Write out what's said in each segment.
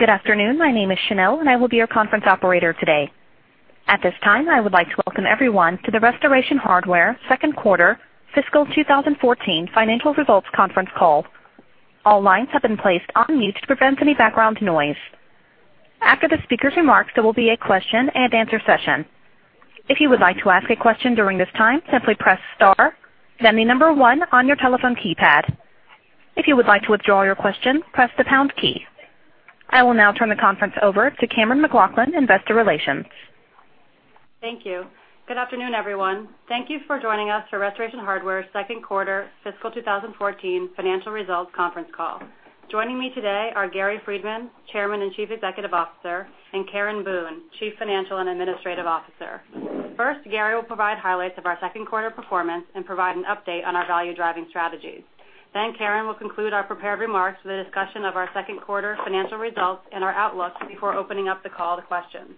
Good afternoon. My name is Chanel, and I will be your conference operator today. At this time, I would like to welcome everyone to the Restoration Hardware second quarter fiscal 2014 financial results conference call. All lines have been placed on mute to prevent any background noise. After the speakers' remarks, there will be a question and answer session. If you would like to ask a question during this time, simply press star, then the number 1 on your telephone keypad. If you would like to withdraw your question, press the pound key. I will now turn the conference over to Cammeron McLaughlin, investor relations. Thank you. Good afternoon, everyone. Thank you for joining us for Restoration Hardware second quarter fiscal 2014 financial results conference call. Joining me today are Gary Friedman, Chairman and Chief Executive Officer, and Karen Boone, Chief Financial and Administrative Officer. First, Gary will provide highlights of our second quarter performance and provide an update on our value-driving strategies. Karen will conclude our prepared remarks with a discussion of our second quarter financial results and our outlook before opening up the call to questions.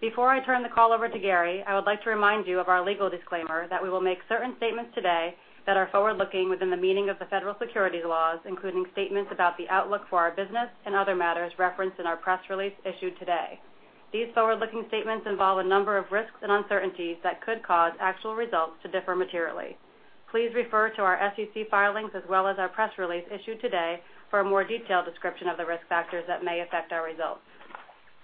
Before I turn the call over to Gary, I would like to remind you of our legal disclaimer that we will make certain statements today that are forward-looking within the meaning of the federal securities laws, including statements about the outlook for our business and other matters referenced in our press release issued today. These forward-looking statements involve a number of risks and uncertainties that could cause actual results to differ materially. Please refer to our SEC filings as well as our press release issued today for a more detailed description of the risk factors that may affect our results.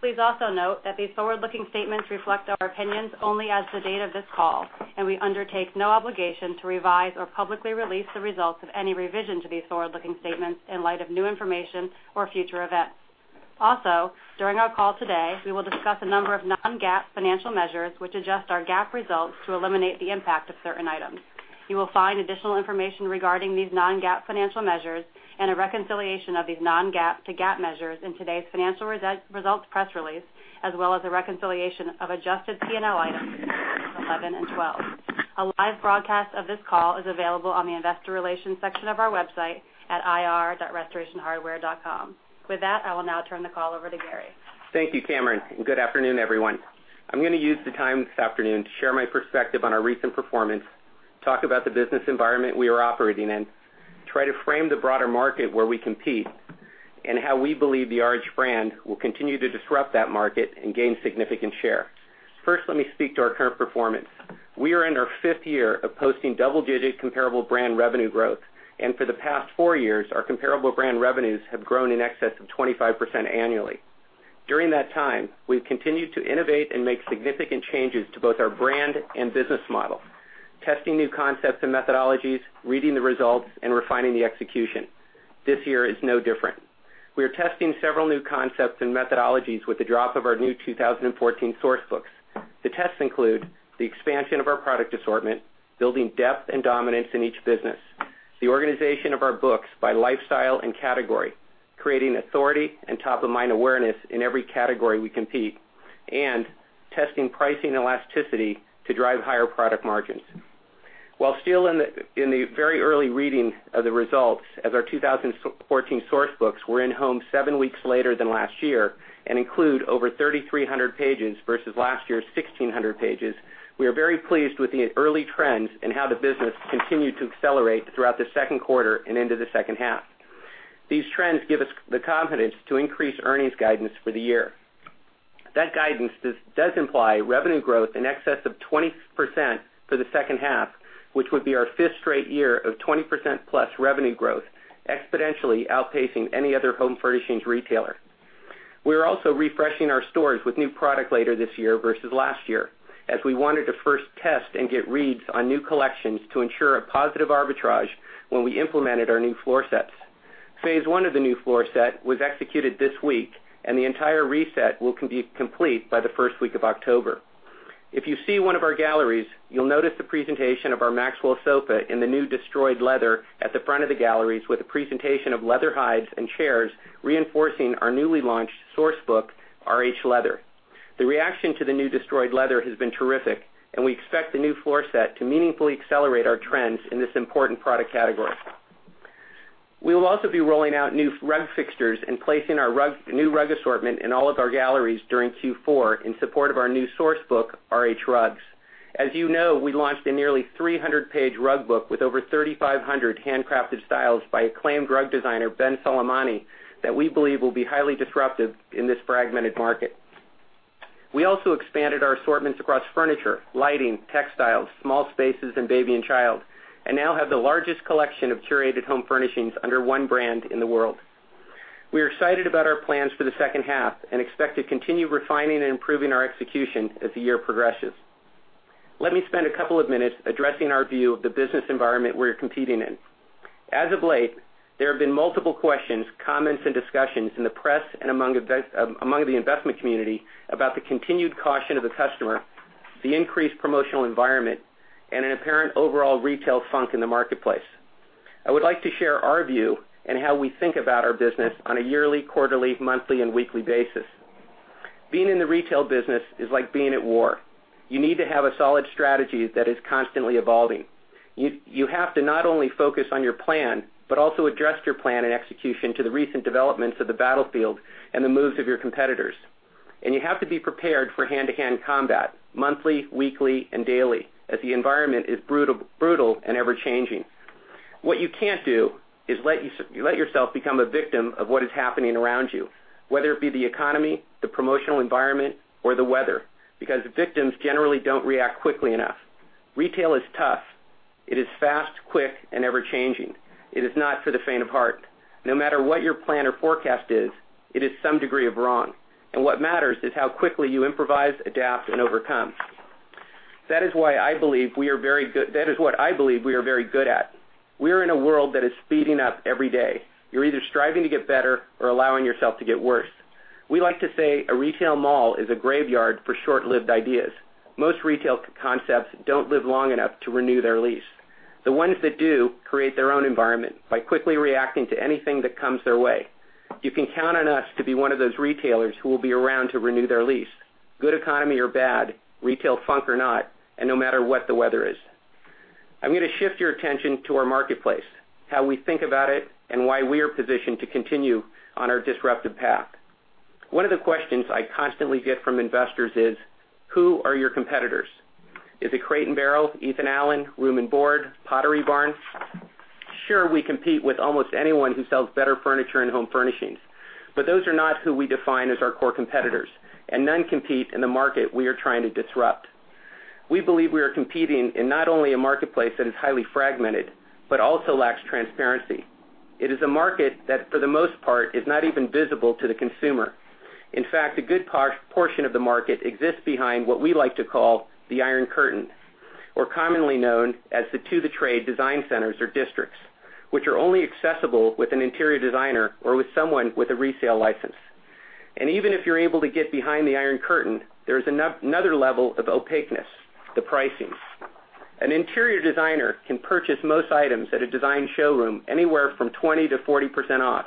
Please also note that these forward-looking statements reflect our opinions only as the date of this call, and we undertake no obligation to revise or publicly release the results of any revision to these forward-looking statements in light of new information or future events. Also, during our call today, we will discuss a number of non-GAAP financial measures which adjust our GAAP results to eliminate the impact of certain items. You will find additional information regarding these non-GAAP financial measures and a reconciliation of these non-GAAP to GAAP measures in today's financial results press release, as well as a reconciliation of adjusted P&L items for 2011 and 2012. A live broadcast of this call is available on the investor relations section of our website at ir.rh.com. With that, I will now turn the call over to Gary. Thank you, Cammeron. Good afternoon, everyone. I'm going to use the time this afternoon to share my perspective on our recent performance, talk about the business environment we are operating in, try to frame the broader market where we compete, and how we believe the RH brand will continue to disrupt that market and gain significant share. First, let me speak to our current performance. We are in our fifth year of posting double-digit comparable brand revenue growth. For the past four years, our comparable brand revenues have grown in excess of 25% annually. During that time, we've continued to innovate and make significant changes to both our brand and business model, testing new concepts and methodologies, reading the results, and refining the execution. This year is no different. We are testing several new concepts and methodologies with the drop of our new 2014 source books. The tests include the expansion of our product assortment, building depth and dominance in each business, the organization of our books by lifestyle and category, creating authority and top-of-mind awareness in every category we compete, and testing pricing elasticity to drive higher product margins. While still in the very early reading of the results, as our 2014 source books were in-home seven weeks later than last year and include over 3,300 pages versus last year's 1,600 pages, we are very pleased with the early trends and how the business continued to accelerate throughout the second quarter and into the second half. These trends give us the confidence to increase earnings guidance for the year. That guidance does imply revenue growth in excess of 20% for the second half, which would be our fifth straight year of 20% plus revenue growth, exponentially outpacing any other home furnishings retailer. We are also refreshing our stores with new product later this year versus last year, as we wanted to first test and get reads on new collections to ensure a positive arbitrage when we implemented our new floor sets. Phase 1 of the new floor set was executed this week, and the entire reset will be complete by the first week of October. If you see one of our galleries, you'll notice the presentation of our Maxwell sofa in the new destroyed leather at the front of the galleries with a presentation of leather hides and chairs reinforcing our newly launched source book, RH Leather. The reaction to the new destroyed leather has been terrific, and we expect the new floor set to meaningfully accelerate our trends in this important product category. We will also be rolling out new rug fixtures and placing our new rug assortment in all of our galleries during Q4 in support of our new source book, RH Rugs. As you know, we launched a nearly 300-page rug book with over 3,500 handcrafted styles by acclaimed rug designer Ben Soleimani that we believe will be highly disruptive in this fragmented market. We also expanded our assortments across furniture, lighting, textiles, small spaces, and baby and child, and now have the largest collection of curated home furnishings under one brand in the world. We are excited about our plans for the second half and expect to continue refining and improving our execution as the year progresses. Let me spend a couple of minutes addressing our view of the business environment we're competing in. As of late, there have been multiple questions, comments, and discussions in the press and among the investment community about the continued caution of the customer, the increased promotional environment, and an apparent overall retail funk in the marketplace. I would like to share our view and how we think about our business on a yearly, quarterly, monthly, and weekly basis. Being in the retail business is like being at war. You need to have a solid strategy that is constantly evolving. You have to not only focus on your plan, but also address your plan and execution to the recent developments of the battlefield and the moves of your competitors. You have to be prepared for hand-to-hand combat monthly, weekly, and daily, as the environment is brutal and ever-changing. What you can't do is let yourself become a victim of what is happening around you, whether it be the economy, the promotional environment, or the weather, because victims generally don't react quickly enough. Retail is tough. It is fast, quick, and ever-changing. It is not for the faint of heart. No matter what your plan or forecast is, it is some degree of wrong, and what matters is how quickly you improvise, adapt, and overcome. That is what I believe we are very good at. We are in a world that is speeding up every day. You're either striving to get better or allowing yourself to get worse. We like to say a retail mall is a graveyard for short-lived ideas. Most retail concepts don't live long enough to renew their lease. The ones that do create their own environment by quickly reacting to anything that comes their way. You can count on us to be one of those retailers who will be around to renew their lease, good economy or bad, retail funk or not, and no matter what the weather is. I'm going to shift your attention to our marketplace, how we think about it, and why we are positioned to continue on our disruptive path. One of the questions I constantly get from investors is: who are your competitors? Is it Crate & Barrel, Ethan Allen, Room & Board, Pottery Barn? Sure, we compete with almost anyone who sells better furniture and home furnishings, but those are not who we define as our core competitors, and none compete in the market we are trying to disrupt. We believe we are competing in not only a marketplace that is highly fragmented but also lacks transparency. It is a market that, for the most part, is not even visible to the consumer. In fact, a good portion of the market exists behind what we like to call the iron curtain, or commonly known as the to-the-trade design centers or districts, which are only accessible with an interior designer or with someone with a resale license. Even if you're able to get behind the iron curtain, there is another level of opaqueness, the pricings. An interior designer can purchase most items at a design showroom anywhere from 20% to 40% off.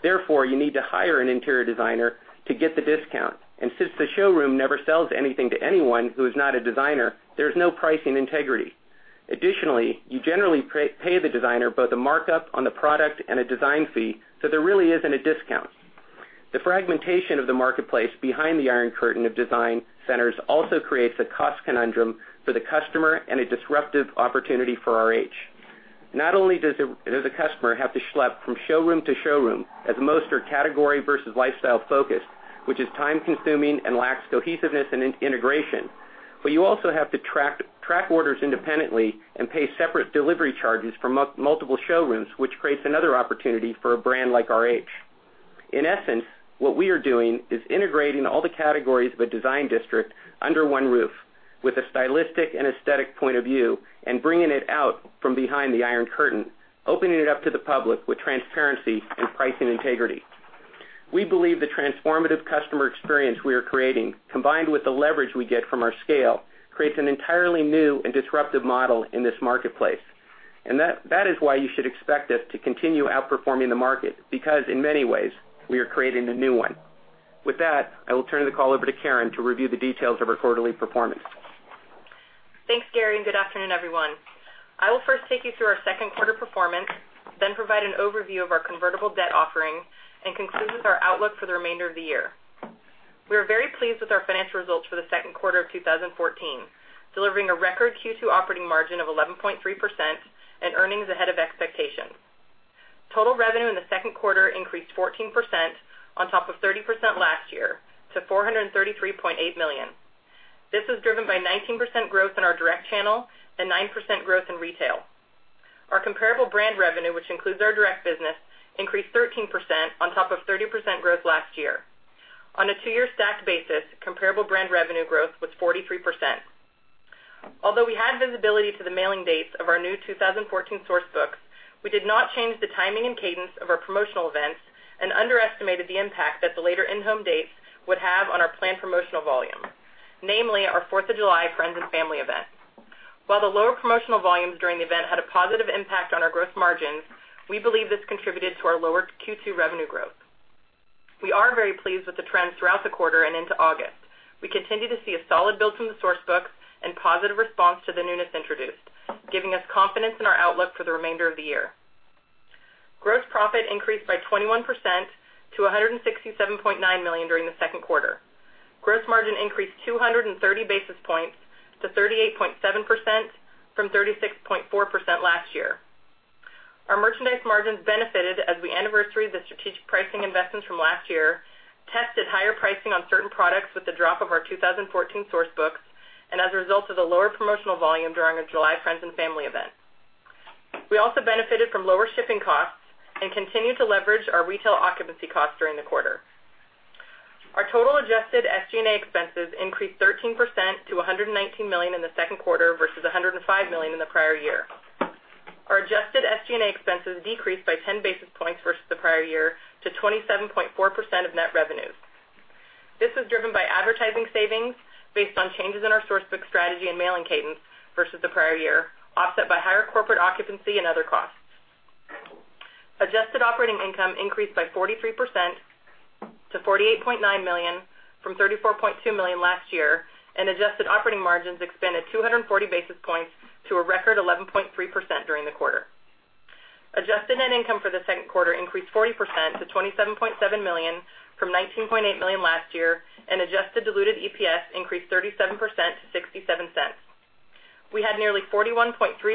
Therefore, you need to hire an interior designer to get the discount. Since the showroom never sells anything to anyone who is not a designer, there is no pricing integrity. Additionally, you generally pay the designer both a markup on the product and a design fee, so there really isn't a discount. The fragmentation of the marketplace behind the iron curtain of design centers also creates a cost conundrum for the customer and a disruptive opportunity for RH. Not only does the customer have to schlep from showroom to showroom, as most are category versus lifestyle focused, which is time-consuming and lacks cohesiveness and integration, but you also have to track orders independently and pay separate delivery charges from multiple showrooms, which creates another opportunity for a brand like RH. In essence, what we are doing is integrating all the categories of a design district under one roof with a stylistic and aesthetic point of view and bringing it out from behind the iron curtain, opening it up to the public with transparency and pricing integrity. We believe the transformative customer experience we are creating, combined with the leverage we get from our scale, creates an entirely new and disruptive model in this marketplace. That is why you should expect us to continue outperforming the market because in many ways, we are creating a new one. With that, I will turn the call over to Karen to review the details of our quarterly performance. Thanks, Gary. Good afternoon, everyone. I will first take you through our second quarter performance, then provide an overview of our convertible debt offering and conclude with our outlook for the remainder of the year. We are very pleased with our financial results for the second quarter of 2014, delivering a record Q2 operating margin of 11.3% and earnings ahead of expectations. Total revenue in the second quarter increased 14% on top of 30% last year to $433.8 million. This was driven by 19% growth in our direct channel and 9% growth in retail. Our comparable brand revenue, which includes our direct business, increased 13% on top of 30% growth last year. On a two-year stacked basis, comparable brand revenue growth was 43%. Although we had visibility to the mailing dates of our new 2014 source books, we did not change the timing and cadence of our promotional events and underestimated the impact that the later in-home dates would have on our planned promotional volume, namely our Fourth of July Friends and Family event. While the lower promotional volumes during the event had a positive impact on our gross margins, we believe this contributed to our lower Q2 revenue growth. We are very pleased with the trends throughout the quarter and into August. We continue to see a solid build from the source books and positive response to the newness introduced, giving us confidence in our outlook for the remainder of the year. Gross profit increased by 21% to $167.9 million during the second quarter. Gross margin increased 230 basis points to 38.7% from 36.4% last year. Our merchandise margins benefited as we anniversaried the strategic pricing investments from last year, tested higher pricing on certain products with the drop of our 2014 source books, and as a result of the lower promotional volume during our July Friends and Family event. We also benefited from lower shipping costs and continued to leverage our retail occupancy costs during the quarter. Our total adjusted SG&A expenses increased 13% to $119 million in the second quarter versus $105 million in the prior year. Our adjusted SG&A expenses decreased by 10 basis points versus the prior year to 27.4% of net revenues. This was driven by advertising savings based on changes in our source book strategy and mailing cadence versus the prior year, offset by higher corporate occupancy and other costs. Adjusted operating income increased by 43% to $48.9 million from $34.2 million last year, and adjusted operating margins expanded 240 basis points to a record 11.3% during the quarter. Adjusted net income for the second quarter increased 40% to $27.7 million from $19.8 million last year, and adjusted diluted EPS increased 37% to $0.67. We had nearly 41.3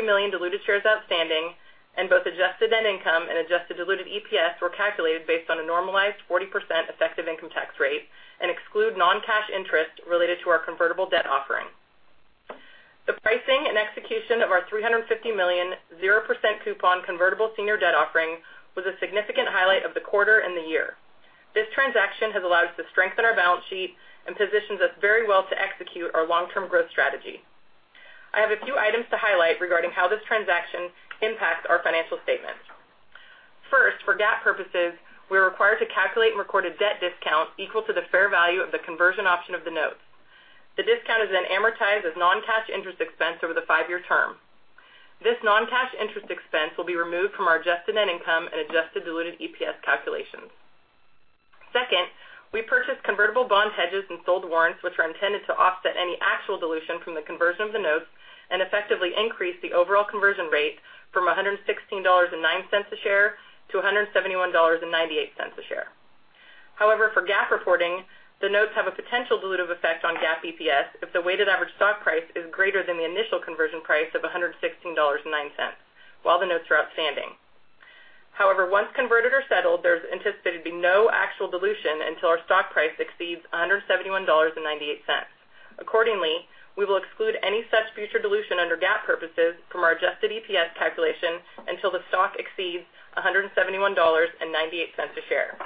million diluted shares outstanding, and both adjusted net income and adjusted diluted EPS were calculated based on a normalized 40% effective income tax rate and exclude non-cash interest related to our convertible debt offering. The pricing and execution of our $350 million 0% coupon convertible senior debt offering was a significant highlight of the quarter and the year. This transaction has allowed us to strengthen our balance sheet and positions us very well to execute our long-term growth strategy. I have a few items to highlight regarding how this transaction impacts our financial statements. First, for GAAP purposes, we're required to calculate and record a debt discount equal to the fair value of the conversion option of the notes. The discount is then amortized as non-cash interest expense over the five-year term. This non-cash interest expense will be removed from our adjusted net income and adjusted diluted EPS calculations. Second, we purchased convertible bond hedges and sold warrants, which are intended to offset any actual dilution from the conversion of the notes and effectively increase the overall conversion rate from $116.09 a share to $171.98 a share. For GAAP reporting, the notes have a potential dilutive effect on GAAP EPS if the weighted average stock price is greater than the initial conversion price of $116.09 while the notes are outstanding. Once converted or settled, there is anticipated to be no actual dilution until our stock price exceeds $171.98. Accordingly, we will exclude any such future dilution under GAAP purposes from our adjusted EPS calculation until the stock exceeds $171.98 a share.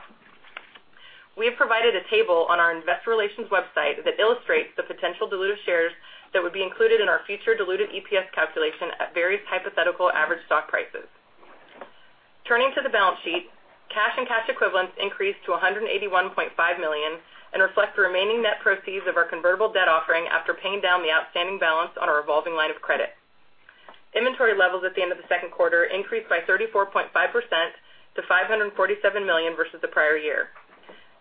We have provided a table on our investor relations website that illustrates the potential diluted shares that would be included in our future diluted EPS calculation at various hypothetical average stock prices. Turning to the balance sheet, cash and cash equivalents increased to $181.5 million and reflect the remaining net proceeds of our convertible debt offering after paying down the outstanding balance on our revolving line of credit. Inventory levels at the end of the second quarter increased by 34.5% to $547 million versus the prior year.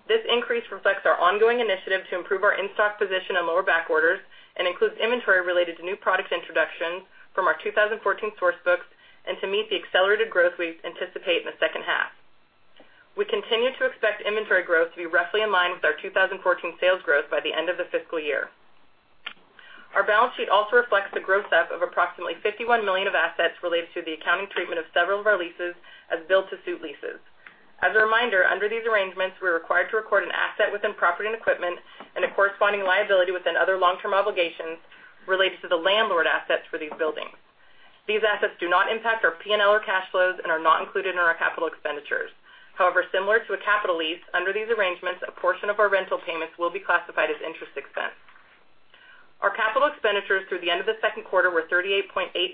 This increase reflects our ongoing initiative to improve our in-stock position and lower backorders and includes inventory related to new product introductions from our 2014 source books and to meet the accelerated growth we anticipate in the second half. We continue to expect inventory growth to be roughly in line with our 2014 sales growth by the end of the fiscal year. Our balance sheet also reflects the gross-up of approximately $51 million of assets related to the accounting treatment of several of our leases as build-to-suit leases. As a reminder, under these arrangements, we're required to record an asset within property and equipment and a corresponding liability within other long-term obligations related to the landlord assets for these buildings. These assets do not impact our P&L or cash flows and are not included in our capital expenditures. Similar to a capital lease, under these arrangements, a portion of our rental payments will be classified as interest expense. Our capital expenditures through the end of the second quarter were $38.8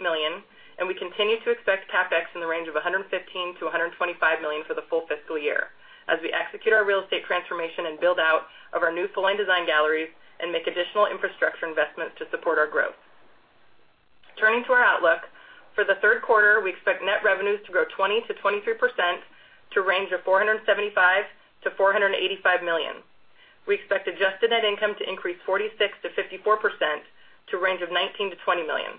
million, and we continue to expect CapEx in the range of $115 million-$125 million for the full fiscal year as we execute our real estate transformation and build-out of our new full-line design galleries and make additional infrastructure investments to support our growth. Turning to our outlook. For the third quarter, we expect net revenues to grow 20%-23% to a range of $475 million-$485 million. We expect adjusted net income to increase 46%-54% to a range of $19 million-$20 million,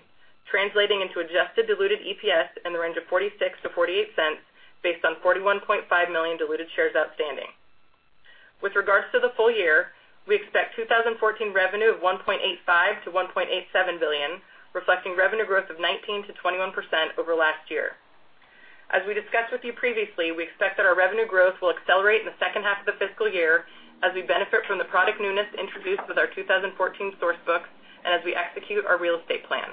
translating into adjusted diluted EPS in the range of $0.46-$0.48 based on 41.5 million diluted shares outstanding. With regards to the full year, we expect 2014 revenue of $1.85 billion-$1.87 billion, reflecting revenue growth of 19%-21% over last year. As we discussed with you previously, we expect that our revenue growth will accelerate in the second half of the fiscal year as we benefit from the product newness introduced with our 2014 source books and as we execute our real estate plan.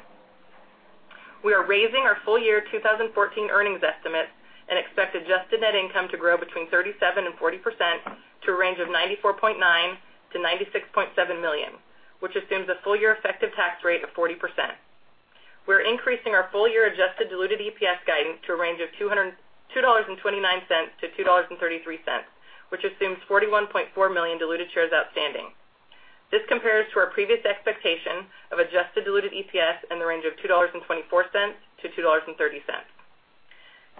We are raising our full-year 2014 earnings estimates and expect adjusted net income to grow between 37% and 40% to a range of $94.9 million-$96.7 million, which assumes a full-year effective tax rate of 40%. We're increasing our full-year adjusted diluted EPS guidance to a range of $2.29 to $2.33, which assumes 41.4 million diluted shares outstanding. This compares to our previous expectation of adjusted diluted EPS in the range of $2.24 to $2.30.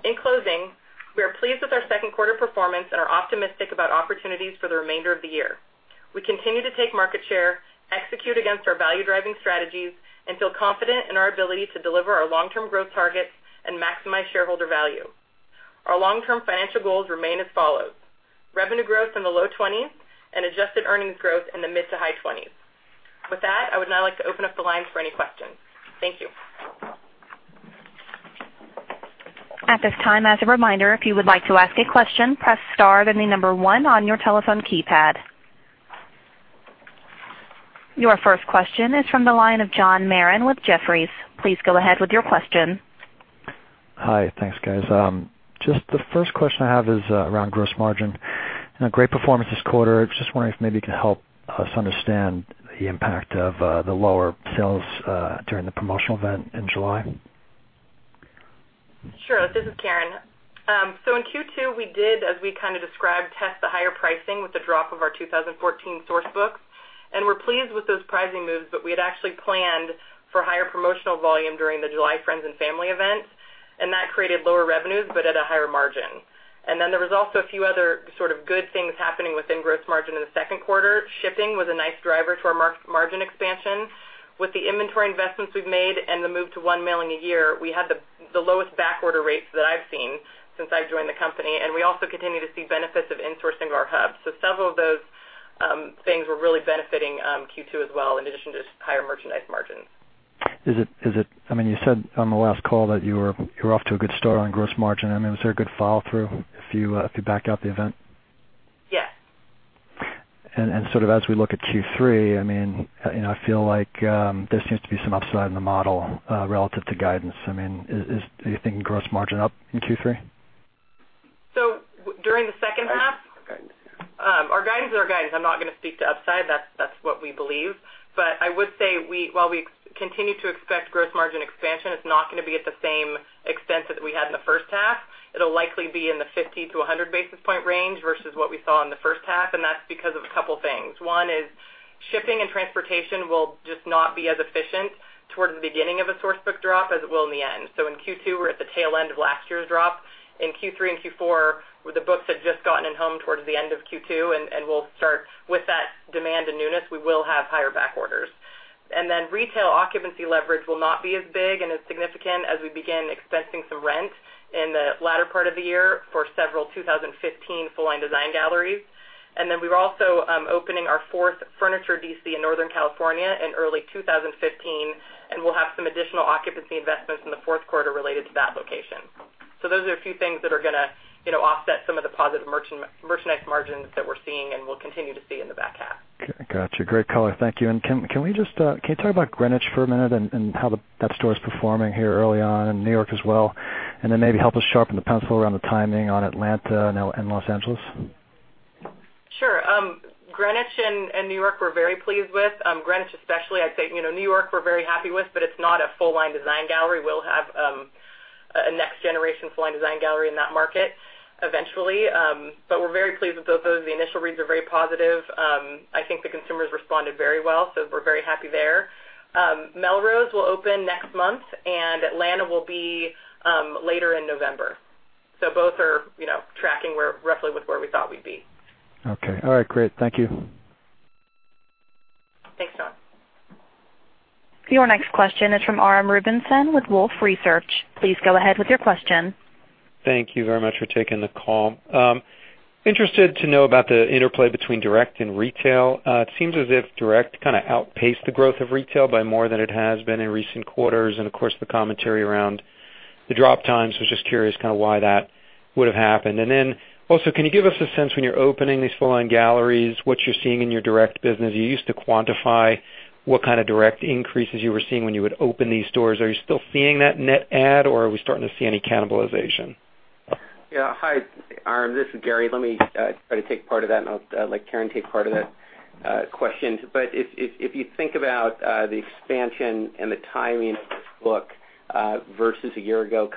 In closing, we are pleased with our second quarter performance and are optimistic about opportunities for the remainder of the year. We continue to take market share, execute against our value-driving strategies, and feel confident in our ability to deliver our long-term growth targets and maximize shareholder value. Our long-term financial goals remain as follows: Revenue growth in the low 20s and adjusted earnings growth in the mid to high 20s. With that, I would now like to open up the lines for any questions. Thank you. At this time, as a reminder, if you would like to ask a question, press star, then the number one on your telephone keypad. Your first question is from the line of John Marrin with Jefferies. Please go ahead with your question. Hi. Thanks, guys. Just the first question I have is around gross margin and a great performance this quarter. Just wondering if maybe you can help us understand the impact of the lower sales during the promotional event in July. Sure. This is Karen. In Q2, we did, as we kind of described, test the higher pricing with the drop of our 2014 source books, and we're pleased with those pricing moves. We had actually planned for higher promotional volume during the July Friends and Family event, and that created lower revenues but at a higher margin. There was also a few other sort of good things happening within gross margin in the second quarter. Shipping was a nice driver to our margin expansion. With the inventory investments we've made and the move to one mailing a year, we had the lowest backorder rates that I've seen since I've joined the company, and we also continue to see benefits of insourcing our hubs. Several of those things were really benefiting Q2 as well, in addition to just higher merchandise margins. You said on the last call that you were off to a good start on gross margin. Was there a good follow-through if you back out the event? Yes. I feel like there seems to be some upside in the model relative to guidance. Are you thinking gross margin up in Q3? During the second half? Our guidance is our guidance. I'm not going to speak to upside. That's what we believe. I would say, while we continue to expect gross margin expansion, it's not going to be at the same extent that we had in the first half. It'll likely be in the 50 to 100 basis point range versus what we saw in the first half, and that's because of a couple things. One is shipping and transportation will just not be as efficient towards the beginning of a source book drop as it will in the end. In Q2, we're at the tail end of last year's drop. In Q3 and Q4, where the books had just gotten home towards the end of Q2, and we'll start with that demand and newness, we will have higher back orders. Retail occupancy leverage will not be as big and as significant as we begin expensing some rent in the latter part of the year for several 2015 full-line design galleries. We're also opening our fourth furniture DC in Northern California in early 2015, and we'll have some additional occupancy investments in the fourth quarter related to that location. Those are a few things that are going to offset some of the positive merchandise margins that we're seeing and will continue to see in the back half. Okay, got you. Great color. Thank you. Can you talk about Greenwich for a minute and how that store is performing here early on, and New York as well? Maybe help us sharpen the pencil around the timing on Atlanta and Los Angeles. Sure. Greenwich and New York, we're very pleased with. Greenwich especially. I'd say New York we're very happy with, but it's not a full-line design gallery. We'll have a next generation full-line design gallery in that market eventually. We're very pleased with both those. The initial reads are very positive. I think the consumers responded very well, so we're very happy there. Melrose will open next month and Atlanta will be later in November. Both are tracking roughly with where we thought we'd be. Okay. All right, great. Thank you. Thanks, John. Your next question is from Aram Rubinson with Wolfe Research. Please go ahead with your question. Thank you very much for taking the call. Interested to know about the interplay between direct and retail. It seems as if direct kind of outpaced the growth of retail by more than it has been in recent quarters. Of course, the commentary around the drop times. Was just curious why that would have happened. Then also, can you give us a sense when you're opening these full-line galleries, what you're seeing in your direct business? You used to quantify what kind of direct increases you were seeing when you would open these stores. Are you still seeing that net add, or are we starting to see any cannibalization? Hi, Aram. This is Gary. Let me try to take part of that, and I'll let Karen take part of that question. If you think about the expansion and the timing of this book versus a year ago, a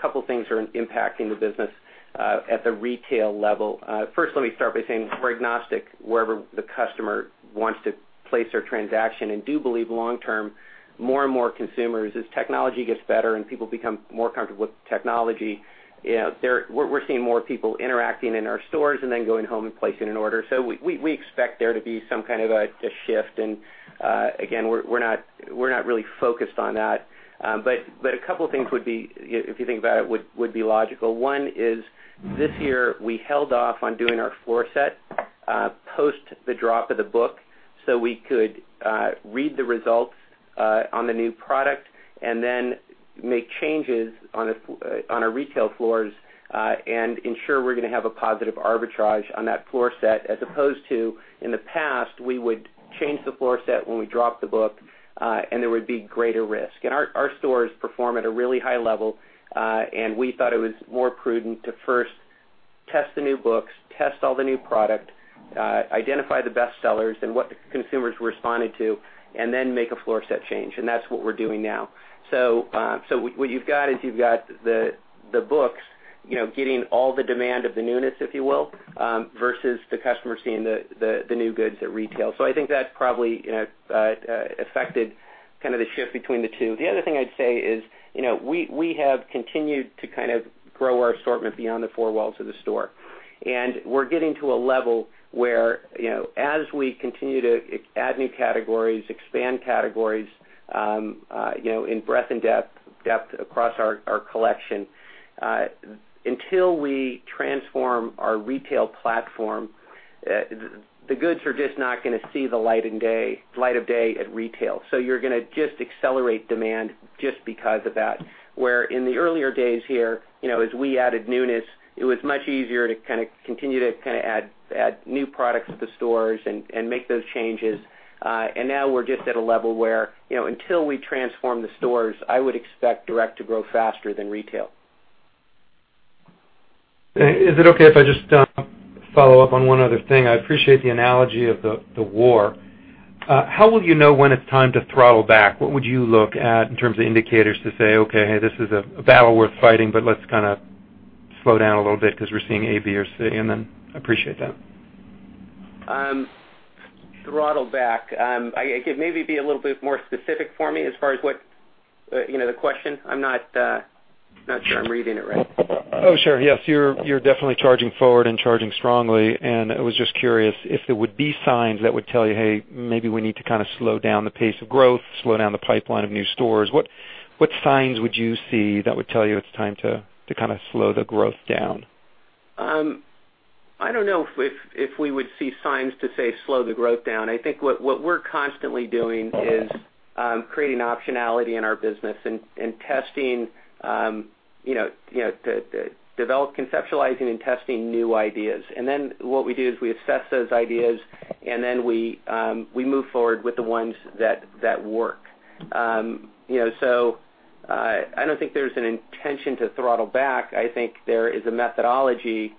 couple things are impacting the business at the retail level. First, let me start by saying we're agnostic wherever the customer wants to place their transaction, and do believe long term, more and more consumers, as technology gets better and people become more comfortable with technology, we're seeing more people interacting in our stores and then going home and placing an order. We expect there to be some kind of a shift. Again, we're not really focused on that. A couple of things, if you think about it, would be logical. One is this year, we held off on doing our floor set post the drop of the book so we could read the results on the new product and then make changes on our retail floors and ensure we're going to have a positive arbitrage on that floor set. As opposed to, in the past, we would change the floor set when we dropped the book, and there would be greater risk. Our stores perform at a really high level, and we thought it was more prudent to first test the new books, test all the new product, identify the best sellers and what the consumers responded to, and then make a floor set change. That's what we're doing now. What you've got is you've got the books getting all the demand of the newness, if you will, versus the customer seeing the new goods at retail. I think that's probably affected the shift between the two. The other thing I'd say is we have continued to grow our assortment beyond the four walls of the store. We're getting to a level where as we continue to add new categories, expand categories in breadth and depth across our collection, until we transform our retail platform, the goods are just not going to see the light of day at retail. You're going to just accelerate demand just because of that. Where in the earlier days here, as we added newness, it was much easier to continue to add new products to the stores and make those changes. Now we're just at a level where until we transform the stores, I would expect direct to grow faster than retail. Is it okay if I just follow up on one other thing? I appreciate the analogy of the war. How will you know when it's time to throttle back? What would you look at in terms of indicators to say, "Okay, hey, this is a battle worth fighting, but let's kind of slow down a little bit because we're seeing A, B, or C," and then appreciate that. Throttle back. Maybe be a little bit more specific for me as far as the question? I'm not sure I'm reading it right. Oh, sure. Yes. You're definitely charging forward and charging strongly. I was just curious if there would be signs that would tell you, "Hey, maybe we need to kind of slow down the pace of growth, slow down the pipeline of new stores." What signs would you see that would tell you it's time to kind of slow the growth down? I don't know if we would see signs to say slow the growth down. I think what we're constantly doing is creating optionality in our business and testing to develop, conceptualizing and testing new ideas. Then what we do is we assess those ideas, then we move forward with the ones that work. I don't think there's an intention to throttle back. I think there is a methodology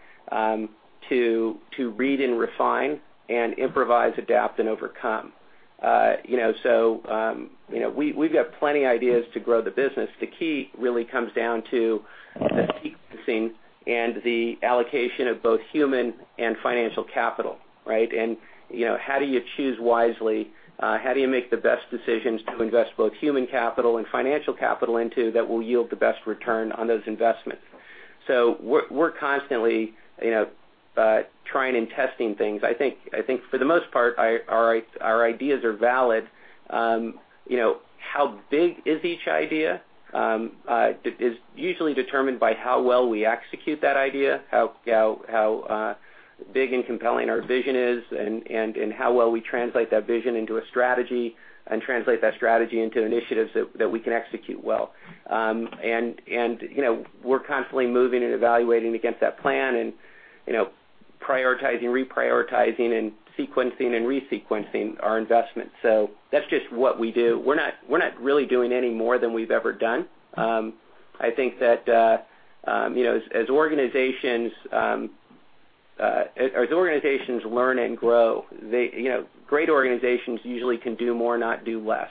to read and refine and improvise, adapt, and overcome. We've got plenty ideas to grow the business. The key really comes down to the sequencing and the allocation of both human and financial capital, right? How do you choose wisely? How do you make the best decisions to invest both human capital and financial capital into that will yield the best return on those investments? We're constantly trying and testing things. I think for the most part, our ideas are valid. How big is each idea is usually determined by how well we execute that idea, how big and compelling our vision is, and how well we translate that vision into a strategy and translate that strategy into initiatives that we can execute well. We're constantly moving and evaluating against that plan and prioritizing, reprioritizing, and sequencing and resequencing our investments. That's just what we do. We're not really doing any more than we've ever done. I think that as organizations learn and grow, great organizations usually can do more, not do less.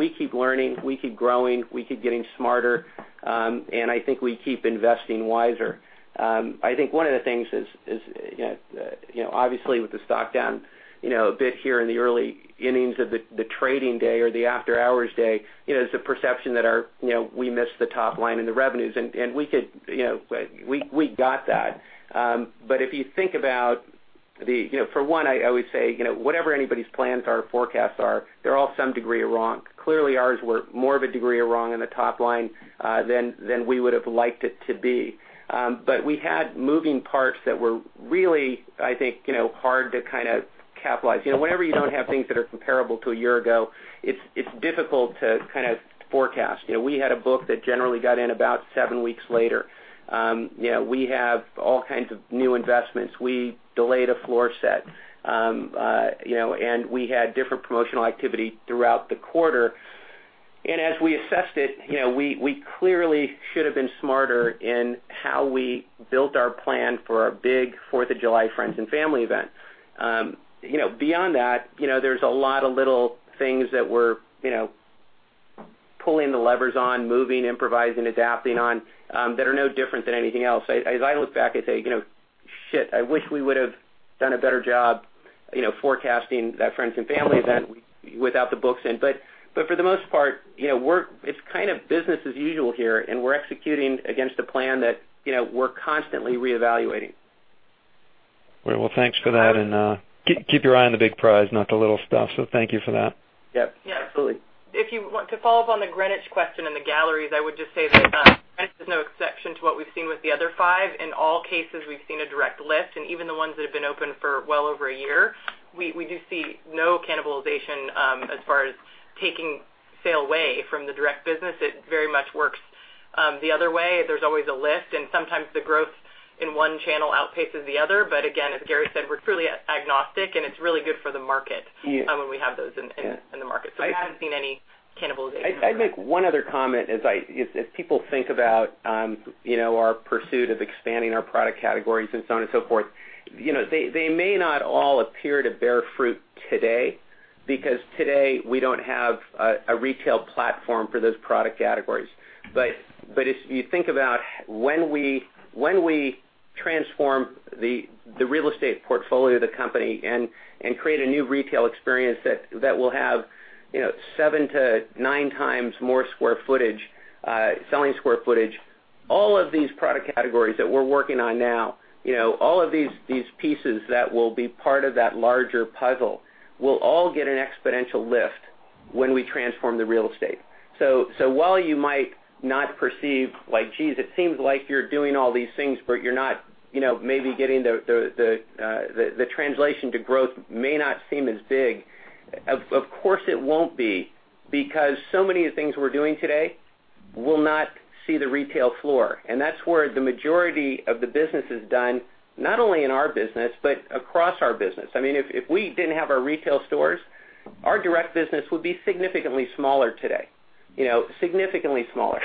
We keep learning, we keep growing, we keep getting smarter. I think we keep investing wiser. I think one of the things is obviously with the stock down a bit here in the early innings of the trading day or the after-hours day, is the perception that we missed the top line and the revenues, we got that. If you think about for one, I always say, whatever anybody's plans are, forecasts are, they're all some degree wrong. Clearly, ours were more of a degree wrong on the top line than we would've liked it to be. We had moving parts that were really, I think, hard to kind of capitalize. Whenever you don't have things that are comparable to a year ago, it's difficult to kind of forecast. We had a book that generally got in about seven weeks later. We have all kinds of new investments. We delayed a floor set. We had different promotional activity throughout the quarter. As we assessed it, we clearly should have been smarter in how we built our plan for our big 4th of July Friends and Family event. Beyond that, there's a lot of little things that we're pulling the levers on, moving, improvising, adapting on that are no different than anything else. As I look back, I say, "Shit, I wish we would've done a better job forecasting that Friends and Family event without the books in." For the most part, it's kind of business as usual here, and we're executing against a plan that we're constantly reevaluating. Well, thanks for that. Keep your eye on the big prize, not the little stuff. Thank you for that. Yep. Absolutely. If you want to follow up on the Greenwich question and the galleries, I would just say that Greenwich is no exception to what we've seen with the other five. In all cases, we've seen a direct lift, and even the ones that have been open for well over a year, we do see no cannibalization as far as taking sale away from the direct business. It very much works the other way. There's always a lift, and sometimes the growth in one channel outpaces the other. Again, as Gary said, we're truly agnostic, and it's really good for the market when we have those in the market. I haven't seen any cannibalization. I'd make one other comment as people think about our pursuit of expanding our product categories and so on and so forth. They may not all appear to bear fruit today because today we don't have a retail platform for those product categories. If you think about when we transform the real estate portfolio of the company and create a new retail experience that will have seven to nine times more selling square footage, all of these product categories that we're working on now, all of these pieces that will be part of that larger puzzle will all get an exponential lift when we transform the real estate. While you might not perceive, like geez, it seems like you're doing all these things, you're not maybe getting the translation to growth may not seem as big. Of course, it won't be, because so many of the things we're doing today will not see the retail floor, and that's where the majority of the business is done, not only in our business but across our business. If we didn't have our retail stores, our direct business would be significantly smaller today. Significantly smaller.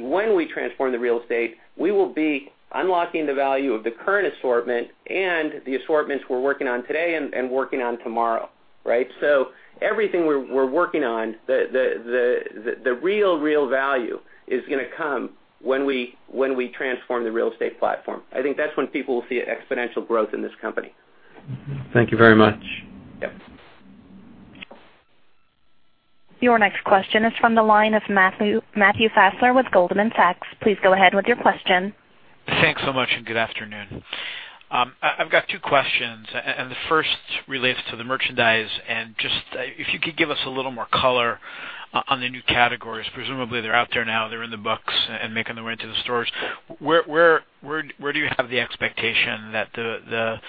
When we transform the real estate, we will be unlocking the value of the current assortment and the assortments we're working on today and working on tomorrow. Right? Everything we're working on, the real value is going to come when we transform the real estate platform. I think that's when people will see exponential growth in this company. Thank you very much. Yep. Your next question is from the line of Matthew Fassler with Goldman Sachs. Please go ahead with your question. Thanks so much. Good afternoon. I've got two questions. The first relates to the merchandise and just if you could give us a little more color on the new categories. Presumably they're out there now, they're in the books and making their way into the stores. Where do you have the expectation that the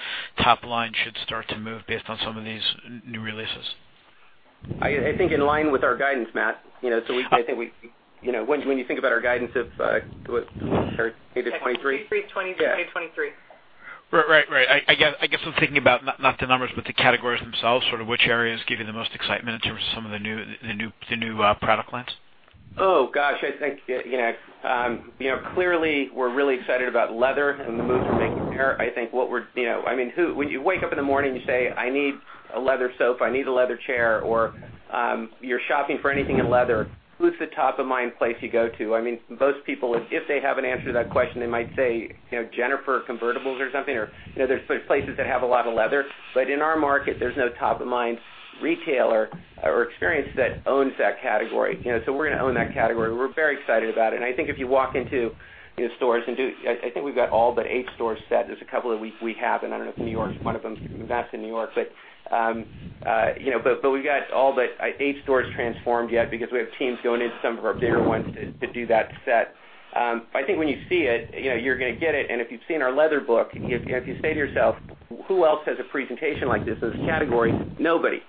top line should start to move based on some of these new releases? I think in line with our guidance, Matt. When you think about our guidance of maybe 23%. 20%-23% Right. I guess I'm thinking about not the numbers, but the categories themselves, sort of which areas give you the most excitement in terms of some of the new product lines. Oh, gosh. I think clearly, we're really excited about leather and the moves we're making there. When you wake up in the morning and you say, "I need a leather sofa, I need a leather chair," or you're shopping for anything in leather, who's the top of mind place you go to? Most people, if they have an answer to that question, they might say, Jennifer Convertibles or something, or there are places that have a lot of leather. In our market, there's no top of mind retailer or experience that owns that category. We're going to own that category. We're very excited about it. I think if you walk into stores and I think we've got all but eight stores set. There's a couple that we have, and I don't know if New York is one of them. Matt's in New York. We've got all but eight stores transformed yet because we have teams going into some of our bigger ones to do that set. I think when you see it, you're going to get it. If you've seen our Leather book, if you say to yourself, "Who else has a presentation like this in this category?" Nobody.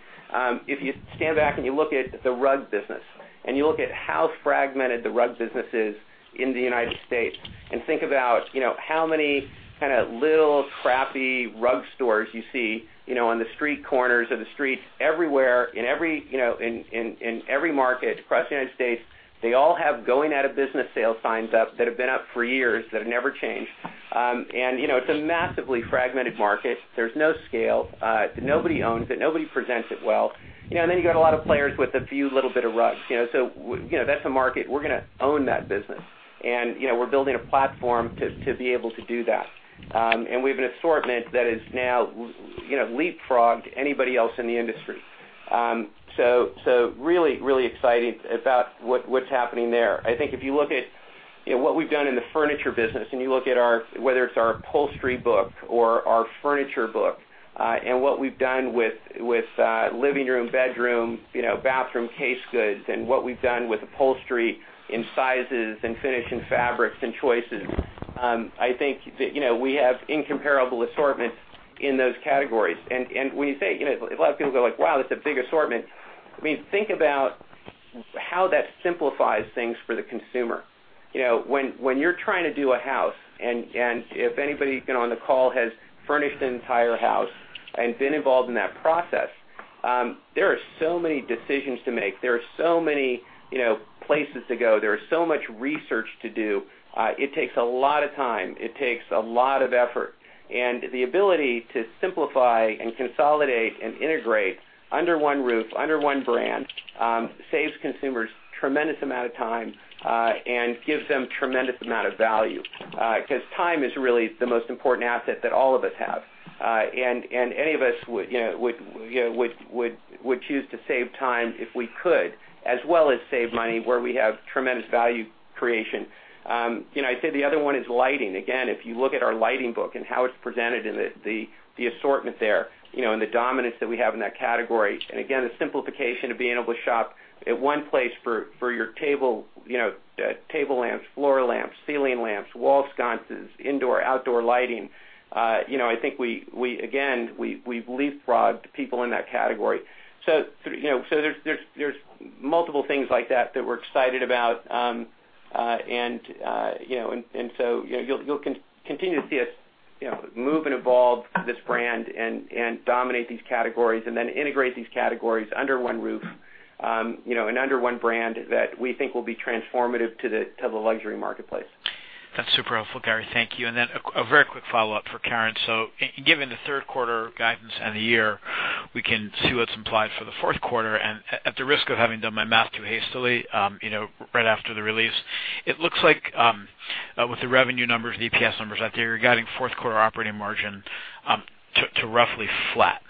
If you stand back and you look at the rug business and you look at how fragmented the rug business is in the United States and think about how many little crappy rug stores you see on the street corners of the streets everywhere in every market across the United States. They all have going-out-of-business sale signs up that have been up for years that have never changed. It's a massively fragmented market. There's no scale. Nobody owns it. Nobody presents it well. You've got a lot of players with a few little bit of rugs. That's a market. We're going to own that business, and we're building a platform to be able to do that. We have an assortment that is now leapfrogged anybody else in the industry. Really exciting about what's happening there. I think if you look at what we've done in the furniture business and you look at whether it's our upholstery book or our furniture book and what we've done with living room, bedroom, bathroom case goods, and what we've done with upholstery in sizes and finish and fabrics and choices, I think that we have incomparable assortments in those categories. When you say, a lot of people go like, "Wow, that's a big assortment." Think about how that simplifies things for the consumer. When you're trying to do a house and if anybody on the call has furnished an entire house and been involved in that process, there are so many decisions to make. There are so many places to go. There is so much research to do. It takes a lot of time. It takes a lot of effort. The ability to simplify and consolidate and integrate under one roof, under one brand saves consumers tremendous amount of time and gives them tremendous amount of value because time is really the most important asset that all of us have. Any of us would choose to save time if we could, as well as save money where we have tremendous value creation. I'd say the other one is lighting. Again, if you look at our lighting book and how it's presented and the assortment there and the dominance that we have in that category, again, the simplification of being able to shop at one place for your table lamps, floor lamps, ceiling lamps, wall sconces, indoor, outdoor lighting. I think, again, we've leapfrogged people in that category. There's multiple things like that that we're excited about. You'll continue to see us move and evolve this brand and dominate these categories and then integrate these categories under one roof and under one brand that we think will be transformative to the luxury marketplace. That's super helpful, Gary. Thank you. Then a very quick follow-up for Karen. Given the third quarter guidance and the year, we can see what's implied for the fourth quarter. At the risk of having done my math too hastily right after the release, it looks like with the revenue numbers, the EPS numbers out there, you're guiding fourth quarter operating margin to roughly flat.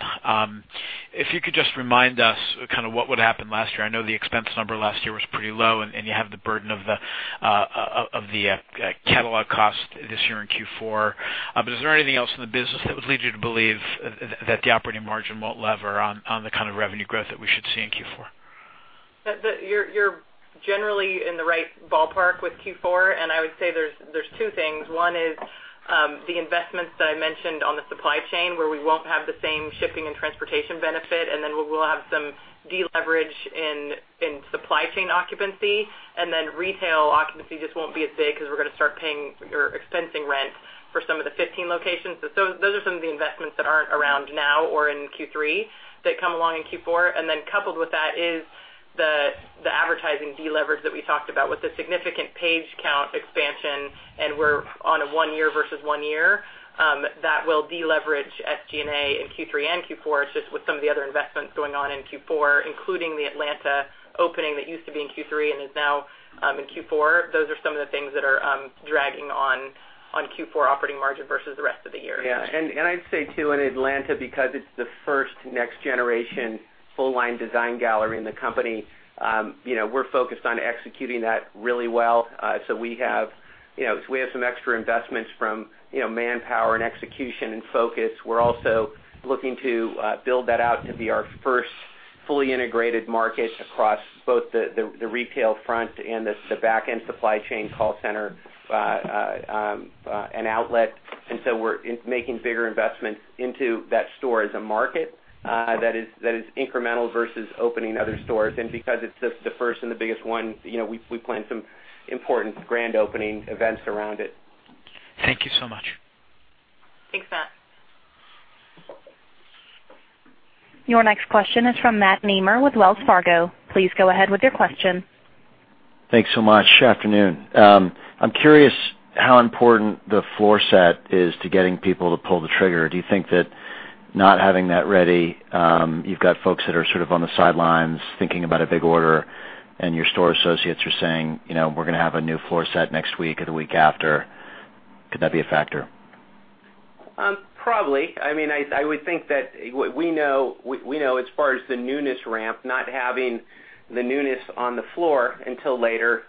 If you could just remind us what would happen last year. I know the expense number last year was pretty low, and you have the burden of the catalog cost this year in Q4. Is there anything else in the business that would lead you to believe that the operating margin won't lever on the kind of revenue growth that we should see in Q4? You're generally in the right ballpark with Q4. I would say there's two things. One is the investments that I mentioned on the supply chain where we won't have the same shipping and transportation benefit, and then we'll have some deleverage in supply chain occupancy, and then retail occupancy just won't be as big because we're going to start paying your expensing rent for some of the 15 locations. Those are some of the investments that aren't around now or in Q3 that come along in Q4. Coupled with that is the advertising deleverage that we talked about with the significant page count expansion, and we're on a one-year versus one-year, that will deleverage SG&A in Q3 and Q4. It's just with some of the other investments going on in Q4, including the Atlanta opening that used to be in Q3 and is now in Q4, those are some of the things that are dragging on Q4 operating margin versus the rest of the year. I'd say too, in Atlanta, because it's the first next-generation full-line design gallery in the company, we're focused on executing that really well. We have some extra investments from manpower and execution and focus. We're also looking to build that out to be our first fully integrated market across both the retail front and the back-end supply chain call center and outlet. We're making bigger investments into that store as a market that is incremental versus opening other stores. Because it's the first and the biggest one, we plan some important grand opening events around it. Thank you so much. Thanks, Matt. Your next question is from Matt Nemer with Wells Fargo. Please go ahead with your question. Thanks so much. Afternoon. I'm curious how important the floor set is to getting people to pull the trigger. Do you think that not having that ready, you've got folks that are sort of on the sidelines thinking about a big order, and your store associates are saying, "We're going to have a new floor set next week or the week after." Could that be a factor? Probably. I would think that we know as far as the newness ramp, not having the newness on the floor until later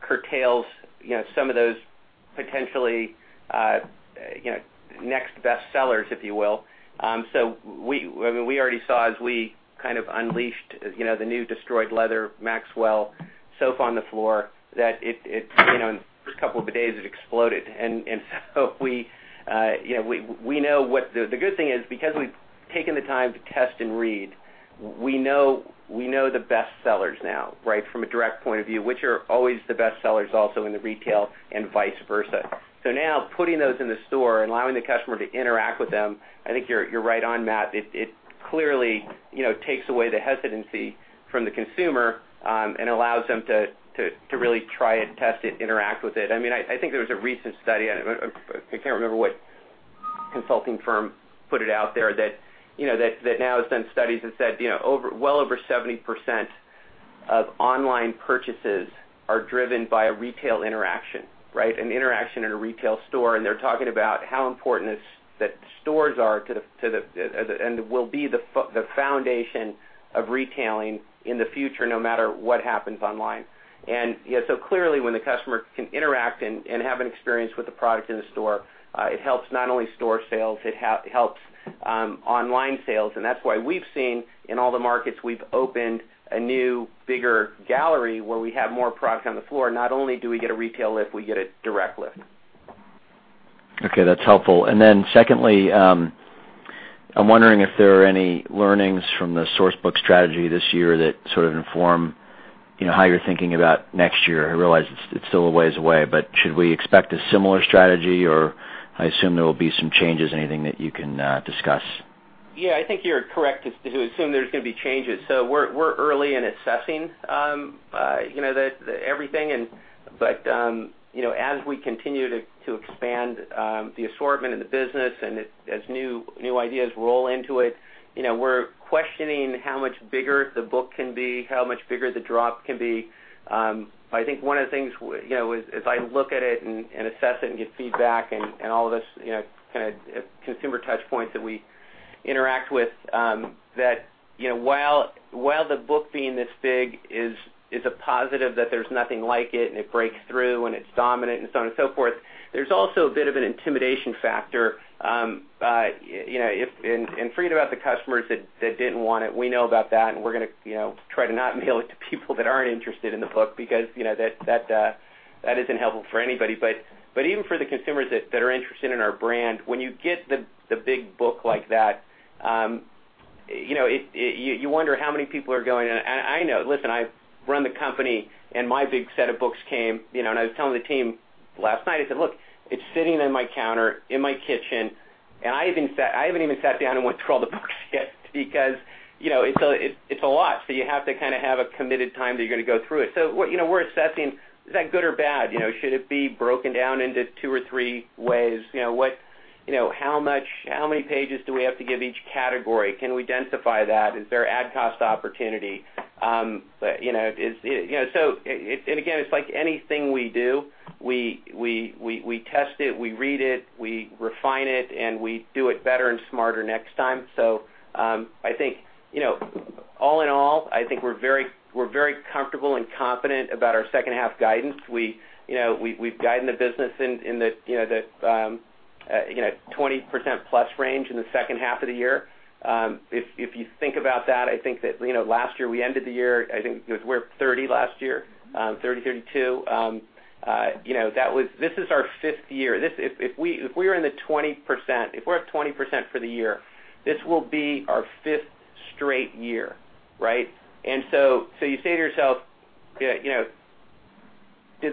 curtails some of those potentially next best sellers, if you will. We already saw as we kind of unleashed the new destroyed leather Maxwell sofa on the floor that in the first couple of days, it exploded. The good thing is, because we've taken the time to test and read, we know the best sellers now, right, from a direct point of view, which are always the best sellers also in the retail and vice versa. Now putting those in the store and allowing the customer to interact with them, I think you're right on, Matt. It clearly takes away the hesitancy from the consumer and allows them to really try it, test it, interact with it. I think there was a recent study on it. I can't remember what consulting firm put it out there that now has done studies that said, well over 70% of online purchases are driven by a retail interaction, right? An interaction in a retail store. They're talking about how important that stores are and will be the foundation of retailing in the future, no matter what happens online. Clearly, when the customer can interact and have an experience with the product in the store, it helps not only store sales, it helps online sales. That's why we've seen in all the markets we've opened a new, bigger gallery where we have more product on the floor. Not only do we get a retail lift, we get a direct lift. Okay, that's helpful. Secondly, I'm wondering if there are any learnings from the source book strategy this year that sort of inform how you're thinking about next year. I realize it's still a ways away, but should we expect a similar strategy, or I assume there will be some changes? Anything that you can discuss? Yeah, I think you're correct to assume there's going to be changes. We're early in assessing everything, but as we continue to expand the assortment in the business and as new ideas roll into it, we're questioning how much bigger the book can be, how much bigger the drop can be. I think one of the things as I look at it and assess it and get feedback and all of this kind of consumer touch points that we interact with, that while the book being this big is a positive that there's nothing like it, and it breaks through and it's dominant and so on and so forth, there's also a bit of an intimidation factor. Forget about the customers that didn't want it. We know about that, and we're going to try to not mail it to people that aren't interested in the book because that isn't helpful for anybody. Even for the consumers that are interested in our brand, when you get the big book like that, you wonder how many people are going. Listen, I run the company, and my big set of books came, and I was telling the team last night, I said, "Look, it's sitting on my counter in my kitchen, and I haven't even sat down and went through all the books yet," because it's a lot. You have to have a committed time that you're going to go through it. We're assessing, is that good or bad? Should it be broken down into two or three ways? How many pages do we have to give each category? Can we identify that? Is there ad cost opportunity? Again, it's like anything we do, we test it, we read it, we refine it, and we do it better and smarter next time. I think all in all, I think we're very comfortable and confident about our second half guidance. We've guided the business in the 20% plus range in the second half of the year. If you think about that, I think that last year we ended the year, I think it was we're 30 last year, 30, 32. This is our fifth year. If we're up 20% for the year, this will be our fifth straight year, right? You say to yourself, Did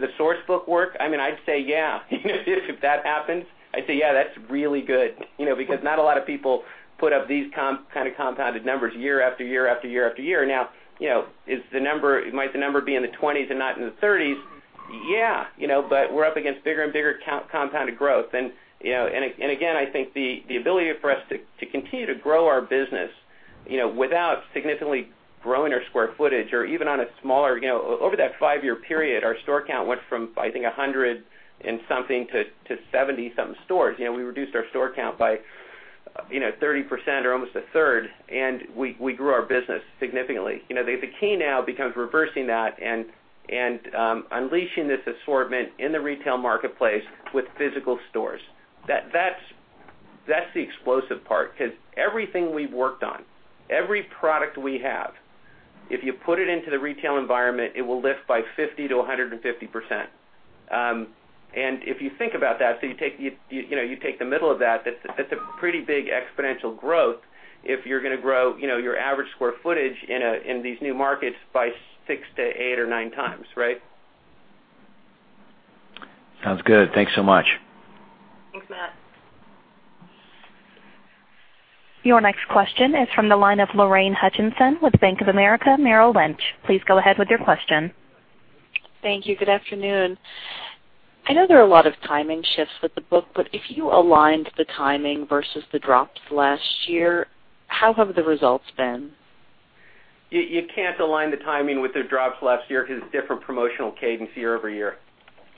the source book work? I'd say yeah. If that happened, I'd say, yeah, that's really good. Not a lot of people put up these kind of compounded numbers year after year. Now, might the number be in the 20s and not in the 30s? Yeah. We're up against bigger and bigger compounded growth. Again, I think the ability for us to continue to grow our business without significantly growing our square footage or even on a smaller Over that five-year period, our store count went from, I think, 100 and something to 70-something stores. We reduced our store count by 30% or almost a third, and we grew our business significantly. The key now becomes reversing that and unleashing this assortment in the retail marketplace with physical stores. That's the explosive part, because everything we've worked on, every product we have, if you put it into the retail environment, it will lift by 50%-150%. If you think about that, you take the middle of that's a pretty big exponential growth if you're going to grow your average square footage in these new markets by six to eight or nine times. Right? Sounds good. Thanks so much. Thanks, Matt. Your next question is from the line of Lorraine Hutchinson with Bank of America Merrill Lynch. Please go ahead with your question. Thank you. Good afternoon. I know there are a lot of timing shifts with the book, but if you aligned the timing versus the drops last year, how have the results been? You can't align the timing with the drops last year because it's different promotional cadence year-over-year.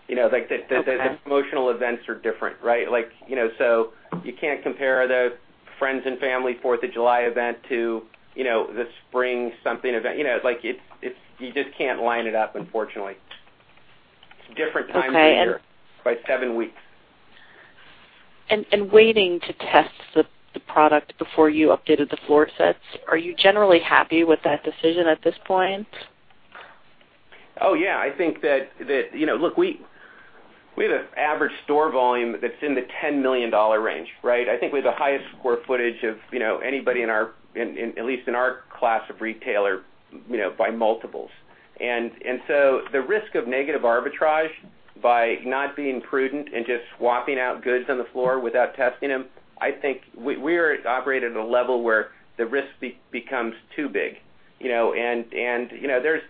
Okay. The promotional events are different, right? You can't compare the Friends and Family 4th of July event to the spring something event. You just can't line it up, unfortunately. It's different times of year- Okay by seven weeks. Waiting to test the product before you updated the floor sets, are you generally happy with that decision at this point? Oh, yeah. I think that Look, we have an average store volume that's in the $10 million range, right? I think we have the highest square footage of anybody at least in our class of retailer by multiples. The risk of negative arbitrage by not being prudent and just swapping out goods on the floor without testing them, I think we operate at a level where the risk becomes too big.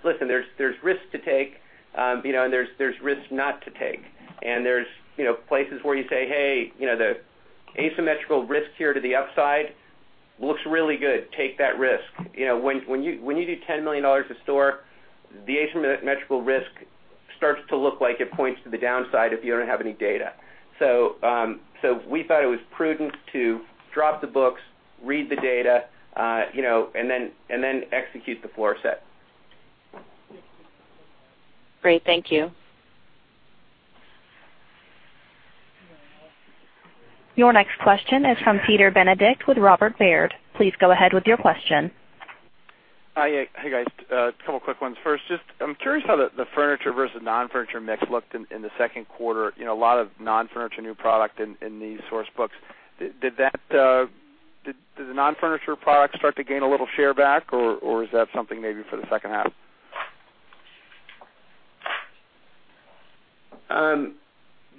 Listen, there's risks to take and there's risks not to take. There's places where you say, "Hey, the asymmetrical risk here to the upside looks really good. Take that risk." When you do $10 million a store, the asymmetrical risk starts to look like it points to the downside if you don't have any data. We thought it was prudent to drop the books, read the data, and then execute the floor set. Great. Thank you. Your next question is from Peter Benedict with Robert Baird. Please go ahead with your question. Hi. Hey, guys. A couple quick ones. First, just I'm curious how the furniture versus non-furniture mix looked in the second quarter. A lot of non-furniture new product in these source books. Did the non-furniture products start to gain a little share back, or is that something maybe for the second half?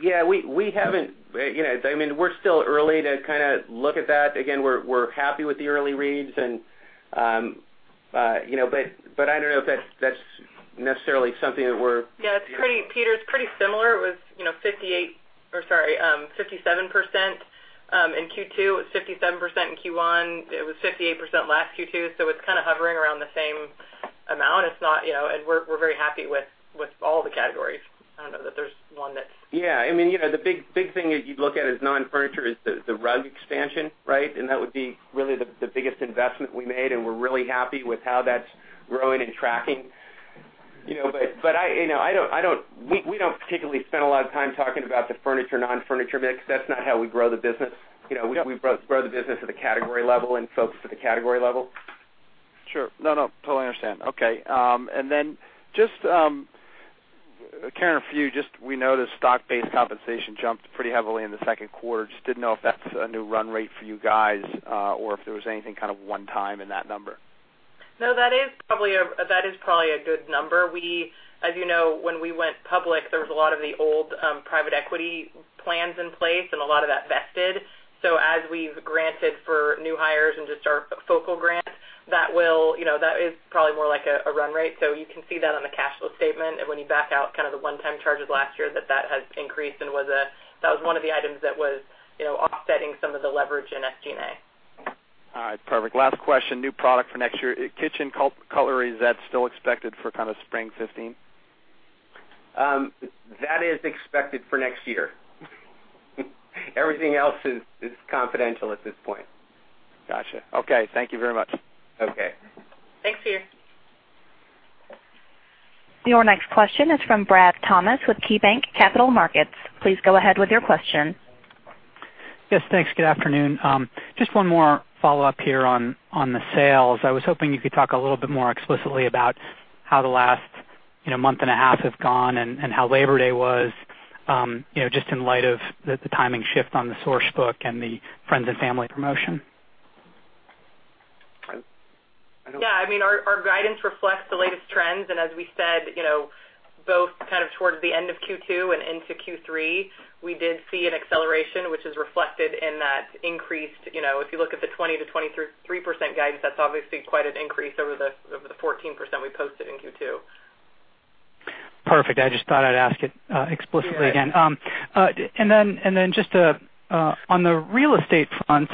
Yeah. We're still early to look at that. Again, we're happy with the early reads but I don't know if that's necessarily something that we're. Yeah, Peter, it's pretty similar. It was 57% in Q2. It was 57% in Q1. It was 58% last Q2, it's hovering around the same amount. We're very happy with all the categories. I don't know that there's one that's- Yeah. The big thing that you'd look at as non-furniture is the rug expansion, right? That would be really the biggest investment we made, and we're really happy with how that's growing and tracking. We don't particularly spend a lot of time talking about the furniture, non-furniture mix. That's not how we grow the business. Yep. We grow the business at the category level and focus at the category level. Sure. No, totally understand. Okay. Then just Karen, we noticed stock-based compensation jumped pretty heavily in the second quarter. Just didn't know if that's a new run rate for you guys or if there was anything one time in that number. No, that is probably a good number. As you know, when we went public, there was a lot of the old private equity plans in place and a lot of that vested. As we've granted for new hires and just our focal grants, that is probably more like a run rate. You can see that on the cash flow statement when you back out the one-time charges last year that has increased and that was one of the items that was offsetting some of the leverage in SG&A. All right. Perfect. Last question, new product for next year. Kitchen color, is that still expected for spring 2015? That is expected for next year. Everything else is confidential at this point. Got you. Okay. Thank you very much. Okay. Thanks, Peter. Your next question is from Brad Thomas with KeyBanc Capital Markets. Please go ahead with your question. Yes, thanks. Good afternoon. Just one more follow-up here on the sales. I was hoping you could talk a little bit more explicitly about how the last month and a half have gone and how Labor Day was, just in light of the timing shift on the source book and the Friends and Family promotion. Yeah. Our guidance reflects the latest trends. As we said, both towards the end of Q2 and into Q3, we did see an acceleration, which is reflected in that increase. If you look at the 20%-23% guidance, that's obviously quite an increase over the 14% we posted in Q2. Perfect. I just thought I'd ask it explicitly again. Yeah. Just on the real estate front,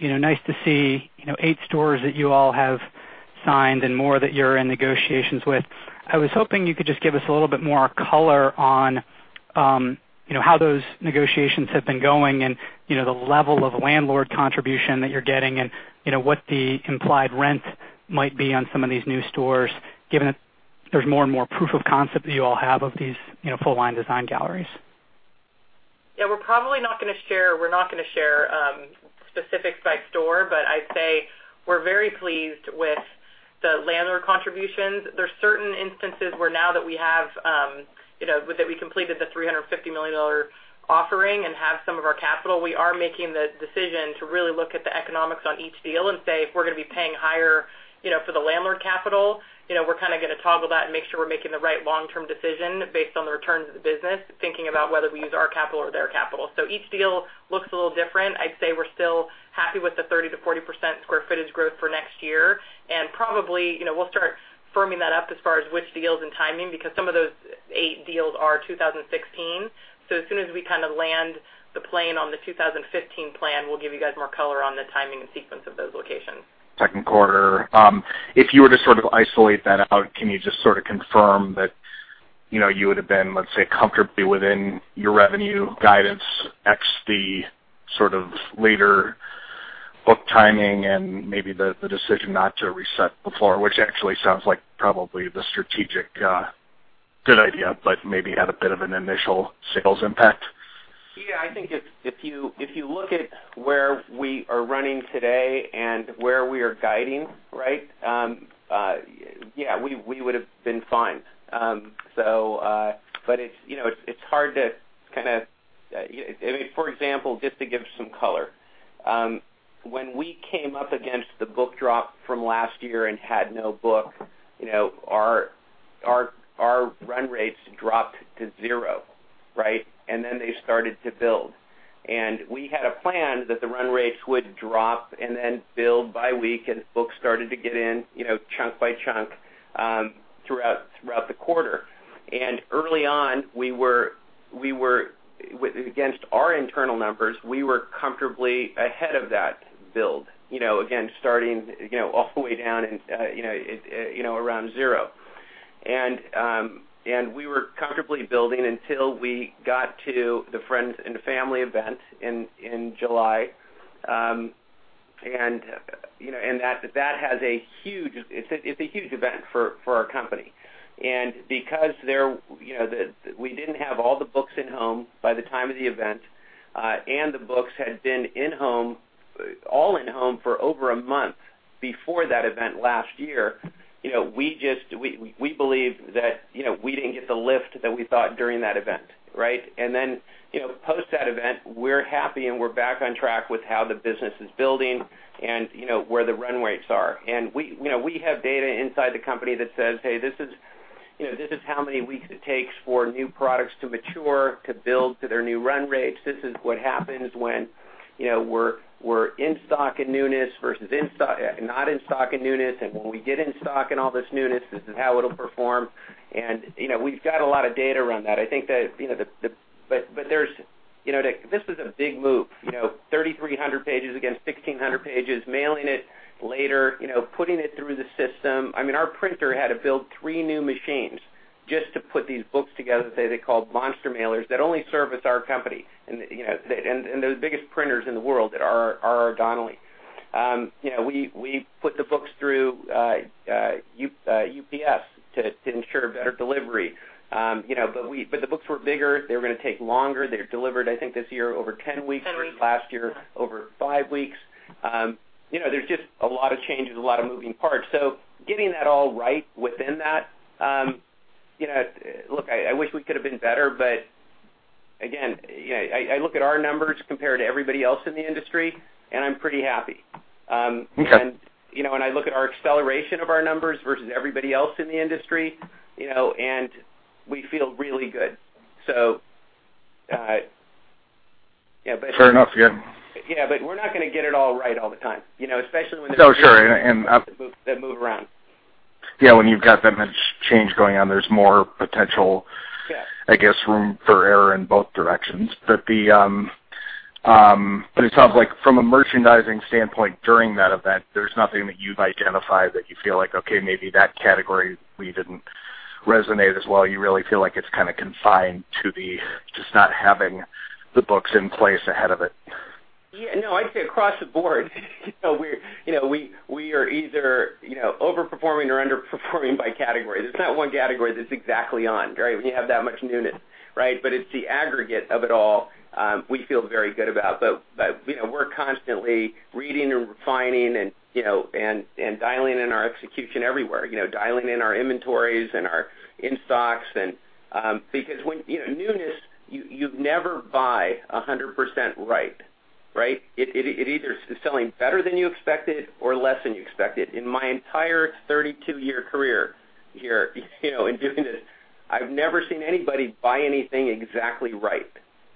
nice to see eight stores that you all have signed and more that you're in negotiations with. I was hoping you could just give us a little bit more color on how those negotiations have been going and the level of landlord contribution that you're getting and what the implied rent might be on some of these new stores, given that there's more and more proof of concept that you all have of these full line design galleries. We're probably not going to share specifics by store, but I'd say we're very pleased with the landlord contributions. There's certain instances where now that we completed the $350 million offering and have some of our capital, we are making the decision to really look at the economics on each deal and say, if we're going to be paying higher for the landlord capital, we're going to toggle that and make sure we're making the right long term decision based on the returns of the business, thinking about whether we use our capital or their capital. Each deal looks a little different. I'd say we're still happy with the 30%-40% square footage growth for next year. Probably, we'll start firming that up as far as which deals and timing, because some of those eight deals are 2016. As soon as we land the plane on the 2015 plan, we'll give you guys more color on the timing and sequence of those locations. Second quarter. If you were to sort of isolate that out, can you just sort of confirm that you would've been, let's say, comfortably within your revenue guidance ex the sort of later book timing and maybe the decision not to reset the floor, which actually sounds like probably the strategic good idea, but maybe had a bit of an initial sales impact? Yeah, I think if you look at where we are running today and where we are guiding, yeah, we would've been fine. For example, just to give some color. When we came up against the book drop from last year and had no book, our run rates dropped to zero. Then they started to build. We had a plan that the run rates would drop and then build by week as books started to get in chunk by chunk, throughout the quarter. Early on, against our internal numbers, we were comfortably ahead of that build. Again, starting all the way down around zero. We were comfortably building until we got to the Friends and Family event in July. It's a huge event for our company. Because we didn't have all the books in home by the time of the event, and the books had been all in home for over a month before that event last year, we believe that we didn't get the lift that we thought during that event. Then, post that event, we're happy and we're back on track with how the business is building and where the run rates are. We have data inside the company that says, "Hey, this is how many weeks it takes for new products to mature, to build to their new run rates. This is what happens when we're in stock and newness versus not in stock and newness. When we get in stock and all this newness, this is how it'll perform." We've got a lot of data around that. This was a big move. 3,300 pages against 1,600 pages, mailing it later, putting it through the system. Our printer had to build three new machines just to put these books together that they called monster mailers that only service our company. They're the biggest printers in the world at R.R. Donnelley. We put the books through UPS to ensure better delivery. The books were bigger. They were going to take longer. They were delivered, I think, this year over 10 weeks. 10 weeks. Last year, over five weeks. There's just a lot of changes, a lot of moving parts. Getting that all right within that, look, I wish we could've been better, but again, I look at our numbers compared to everybody else in the industry, and I'm pretty happy. Okay. I look at our acceleration of our numbers versus everybody else in the industry, and we feel really good. Fair enough. Yeah. Yeah. We're not going to get it all right all the time, especially when there's Oh, sure. that move around. Yeah, when you've got that much change going on, there's more potential- Yeah I guess, room for error in both directions. It sounds like from a merchandising standpoint during that event, there's nothing that you've identified that you feel like, okay, maybe that category we didn't resonate as well. You really feel like it's confined to the just not having the books in place ahead of it? Yeah, no, I'd say across the board we are either overperforming or underperforming by category. There's not one category that's exactly on when you have that much newness. It's the aggregate of it all, we feel very good about. We're constantly reading and refining and dialing in our execution everywhere. Dialing in our inventories and our in-stocks and because with newness, you never buy 100% right. Right? It either is selling better than you expected or less than you expected. In my entire 32-year career here in doing this, I've never seen anybody buy anything exactly right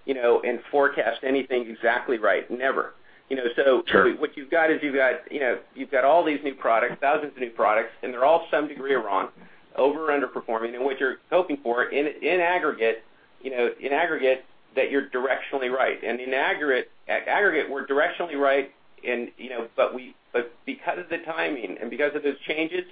and forecast anything exactly right. Never. Sure. What you've got is you've got all these new products, thousands of new products, and they're all some degree wrong, over, underperforming. What you're hoping for in aggregate, that you're directionally right. In aggregate, we're directionally right, but because of the timing and because of those changes,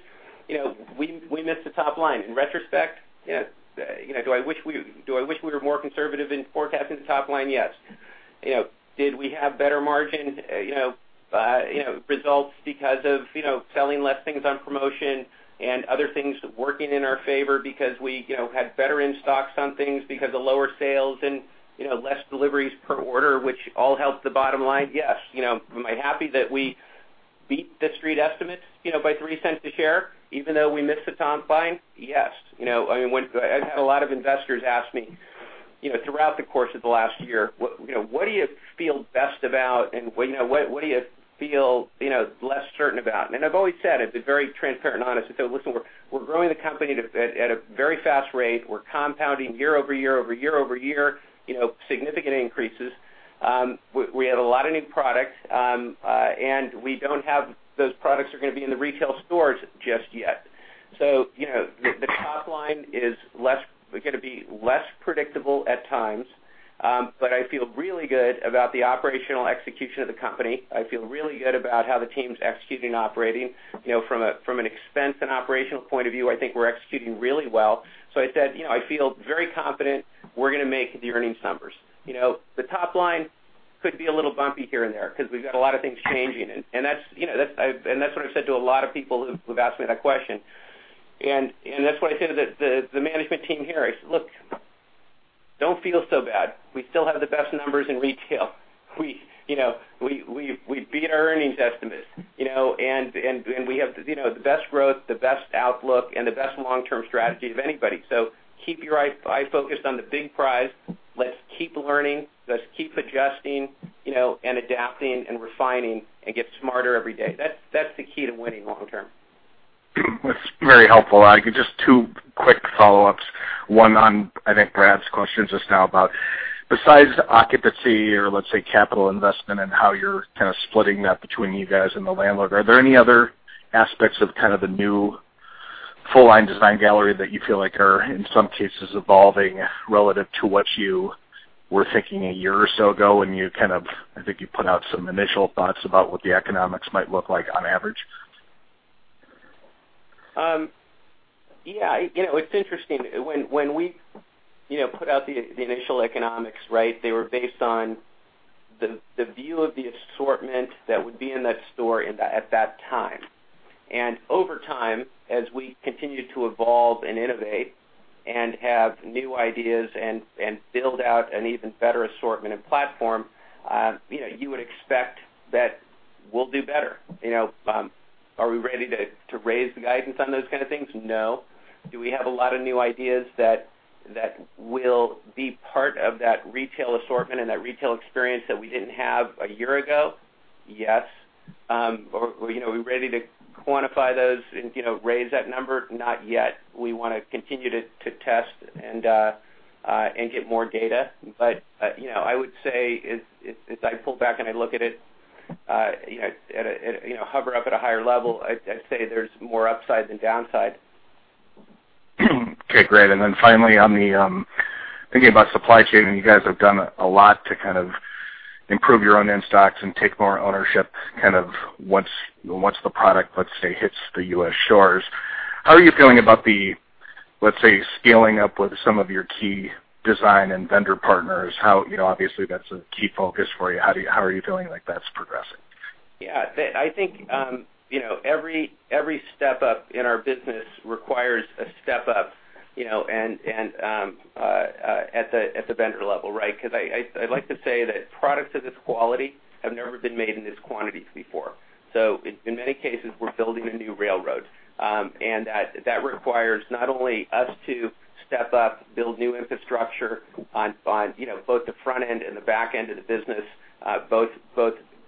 we missed the top line. In retrospect, do I wish we were more conservative in forecasting the top line? Yes. Did we have better margin results because of selling less things on promotion and other things working in our favor because we had better in-stocks on things because of lower sales and less deliveries per order, which all helped the bottom line? Yes. Am I happy that we beat the street estimates by $0.03 a share even though we missed the top line? Yes. I've had a lot of investors ask me throughout the course of the last year, "What do you feel best about and what do you feel less certain about?" I've always said, I've been very transparent and honest. I said, "Listen, we're growing the company at a very fast rate. We're compounding year over year over year over year significant increases. We have a lot of new products, and those products are going to be in the retail stores just yet." The top line is going to be less predictable at times. I feel really good about the operational execution of the company. I feel really good about how the team's executing and operating. From an expense and operational point of view, I think we're executing really well. I said, "I feel very confident we're going to make the earnings numbers." The top line could be a little bumpy here and there because we've got a lot of things changing, that's what I've said to a lot of people who've asked me that question. That's what I say to the management team here. I said, "Look, don't feel so bad. We still have the best numbers in retail. We beat our earnings estimate and we have the best growth, the best outlook, and the best long-term strategy of anybody. Keep your eye focused on the big prize. Let's keep learning. Let's keep adjusting and adapting and refining and get smarter every day." That's the key to winning long term. That's very helpful. Just two quick follow-ups. One on, I think, Brad's question just now about besides occupancy or let's say capital investment and how you're kind of splitting that between you guys and the landlord, are there any other aspects of kind of the new full-line design gallery that you feel like are in some cases evolving relative to what you were thinking a year or so ago when you kind of, I think you put out some initial thoughts about what the economics might look like on average? Yeah. It's interesting. When we put out the initial economics, they were based on the view of the assortment that would be in that store at that time. Over time, as we continue to evolve and innovate and have new ideas and build out an even better assortment and platform, you would expect that we'll do better. Are we ready to raise the guidance on those kind of things? No. Do we have a lot of new ideas that will be part of that retail assortment and that retail experience that we didn't have a year ago? Yes. Are we ready to quantify those and raise that number? Not yet. We want to continue to test and get more data. I would say as I pull back and I look at it, hover up at a higher level, I'd say there's more upside than downside. Okay, great. Then finally, thinking about supply chain, you guys have done a lot to kind of improve your own in-stocks and take more ownership kind of once the product, let's say, hits the U.S. shores. How are you feeling about the, let's say, scaling up with some of your key design and vendor partners? Obviously, that's a key focus for you. How are you feeling like that's progressing? Yeah. I think every step up in our business requires a step up at the vendor level, right? Because I'd like to say that products of this quality have never been made in these quantities before. In many cases, we're building a new railroad. That requires not only us to step up, build new infrastructure on both the front end and the back end of the business, both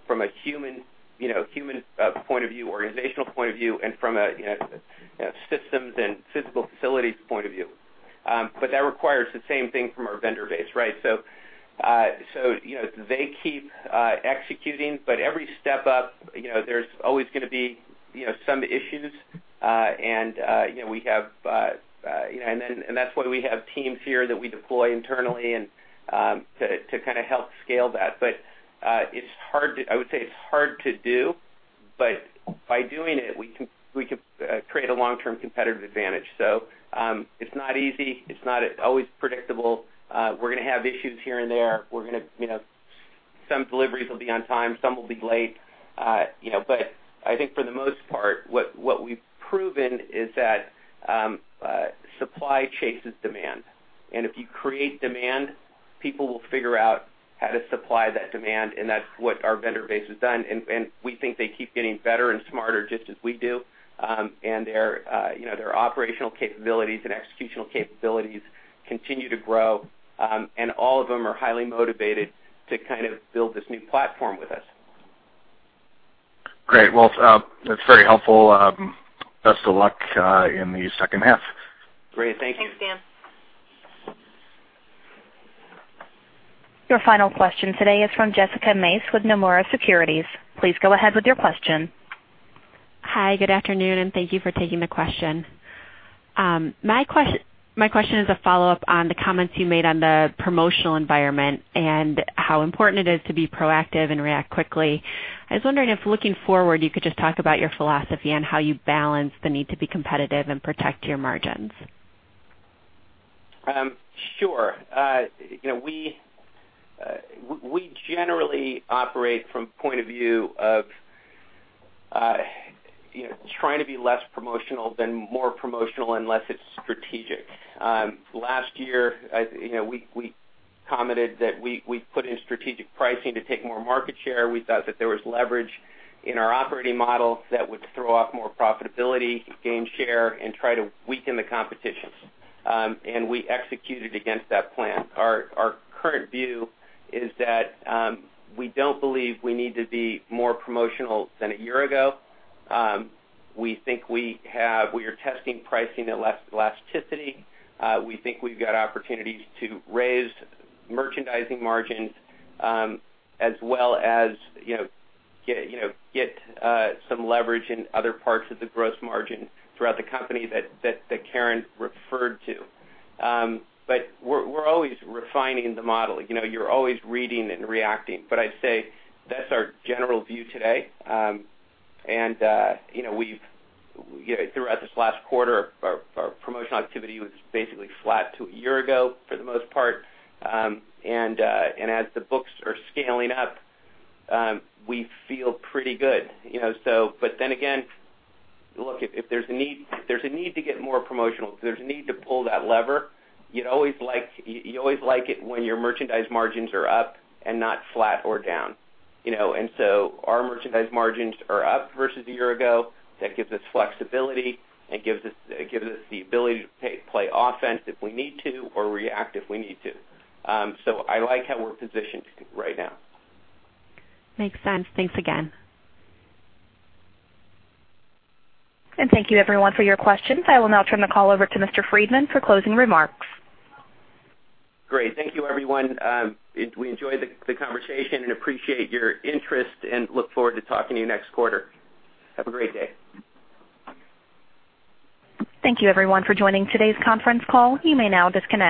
from a human point of view, organizational point of view, and from a systems and physical facilities point of view. That requires the same thing from our vendor base, right? They keep executing, but every step up, there's always going to be some issues. That's why we have teams here that we deploy internally and to kind of help scale that. I would say it's hard to do, but by doing it, we can create a long-term competitive advantage. It's not easy. It's not always predictable. We're going to have issues here and there. Some deliveries will be on time, some will be late. I think for the most part, what we've proven is that supply chases demand. If you create demand, people will figure out how to supply that demand, and that's what our vendor base has done, and we think they keep getting better and smarter, just as we do. Their operational capabilities and executional capabilities continue to grow. All of them are highly motivated to kind of build this new platform with us. Great. That's very helpful. Best of luck in the second half. Great. Thank you. Thanks, Dan. Your final question today is from Jessica Mace with Nomura Securities. Please go ahead with your question. Hi, good afternoon, and thank you for taking the question. My question is a follow-up on the comments you made on the promotional environment and how important it is to be proactive and react quickly. I was wondering if, looking forward, you could just talk about your philosophy on how you balance the need to be competitive and protect your margins. Sure. We generally operate from point of view of trying to be less promotional than more promotional unless it's strategic. Last year, we commented that we put in strategic pricing to take more market share. We thought that there was leverage in our operating model that would throw off more profitability, gain share, and try to weaken the competition. We executed against that plan. Our current view is that we don't believe we need to be more promotional than a year ago. We are testing pricing elasticity. We think we've got opportunities to raise merchandising margins, as well as get some leverage in other parts of the gross margin throughout the company that Karen referred to. We're always refining the model. You're always reading and reacting. I'd say that's our general view today. Throughout this last quarter, our promotional activity was basically flat to a year ago, for the most part. As the books are scaling up, we feel pretty good. Look, if there's a need to get more promotional, if there's a need to pull that lever, you always like it when your merchandise margins are up and not flat or down. Our merchandise margins are up versus a year ago. That gives us flexibility and gives us the ability to play offense if we need to, or react if we need to. I like how we're positioned right now. Makes sense. Thanks again. Thank you everyone for your questions. I will now turn the call over to Mr. Friedman for closing remarks. Great. Thank you, everyone. We enjoyed the conversation and appreciate your interest and look forward to talking to you next quarter. Have a great day. Thank you everyone for joining today's conference call. You may now disconnect.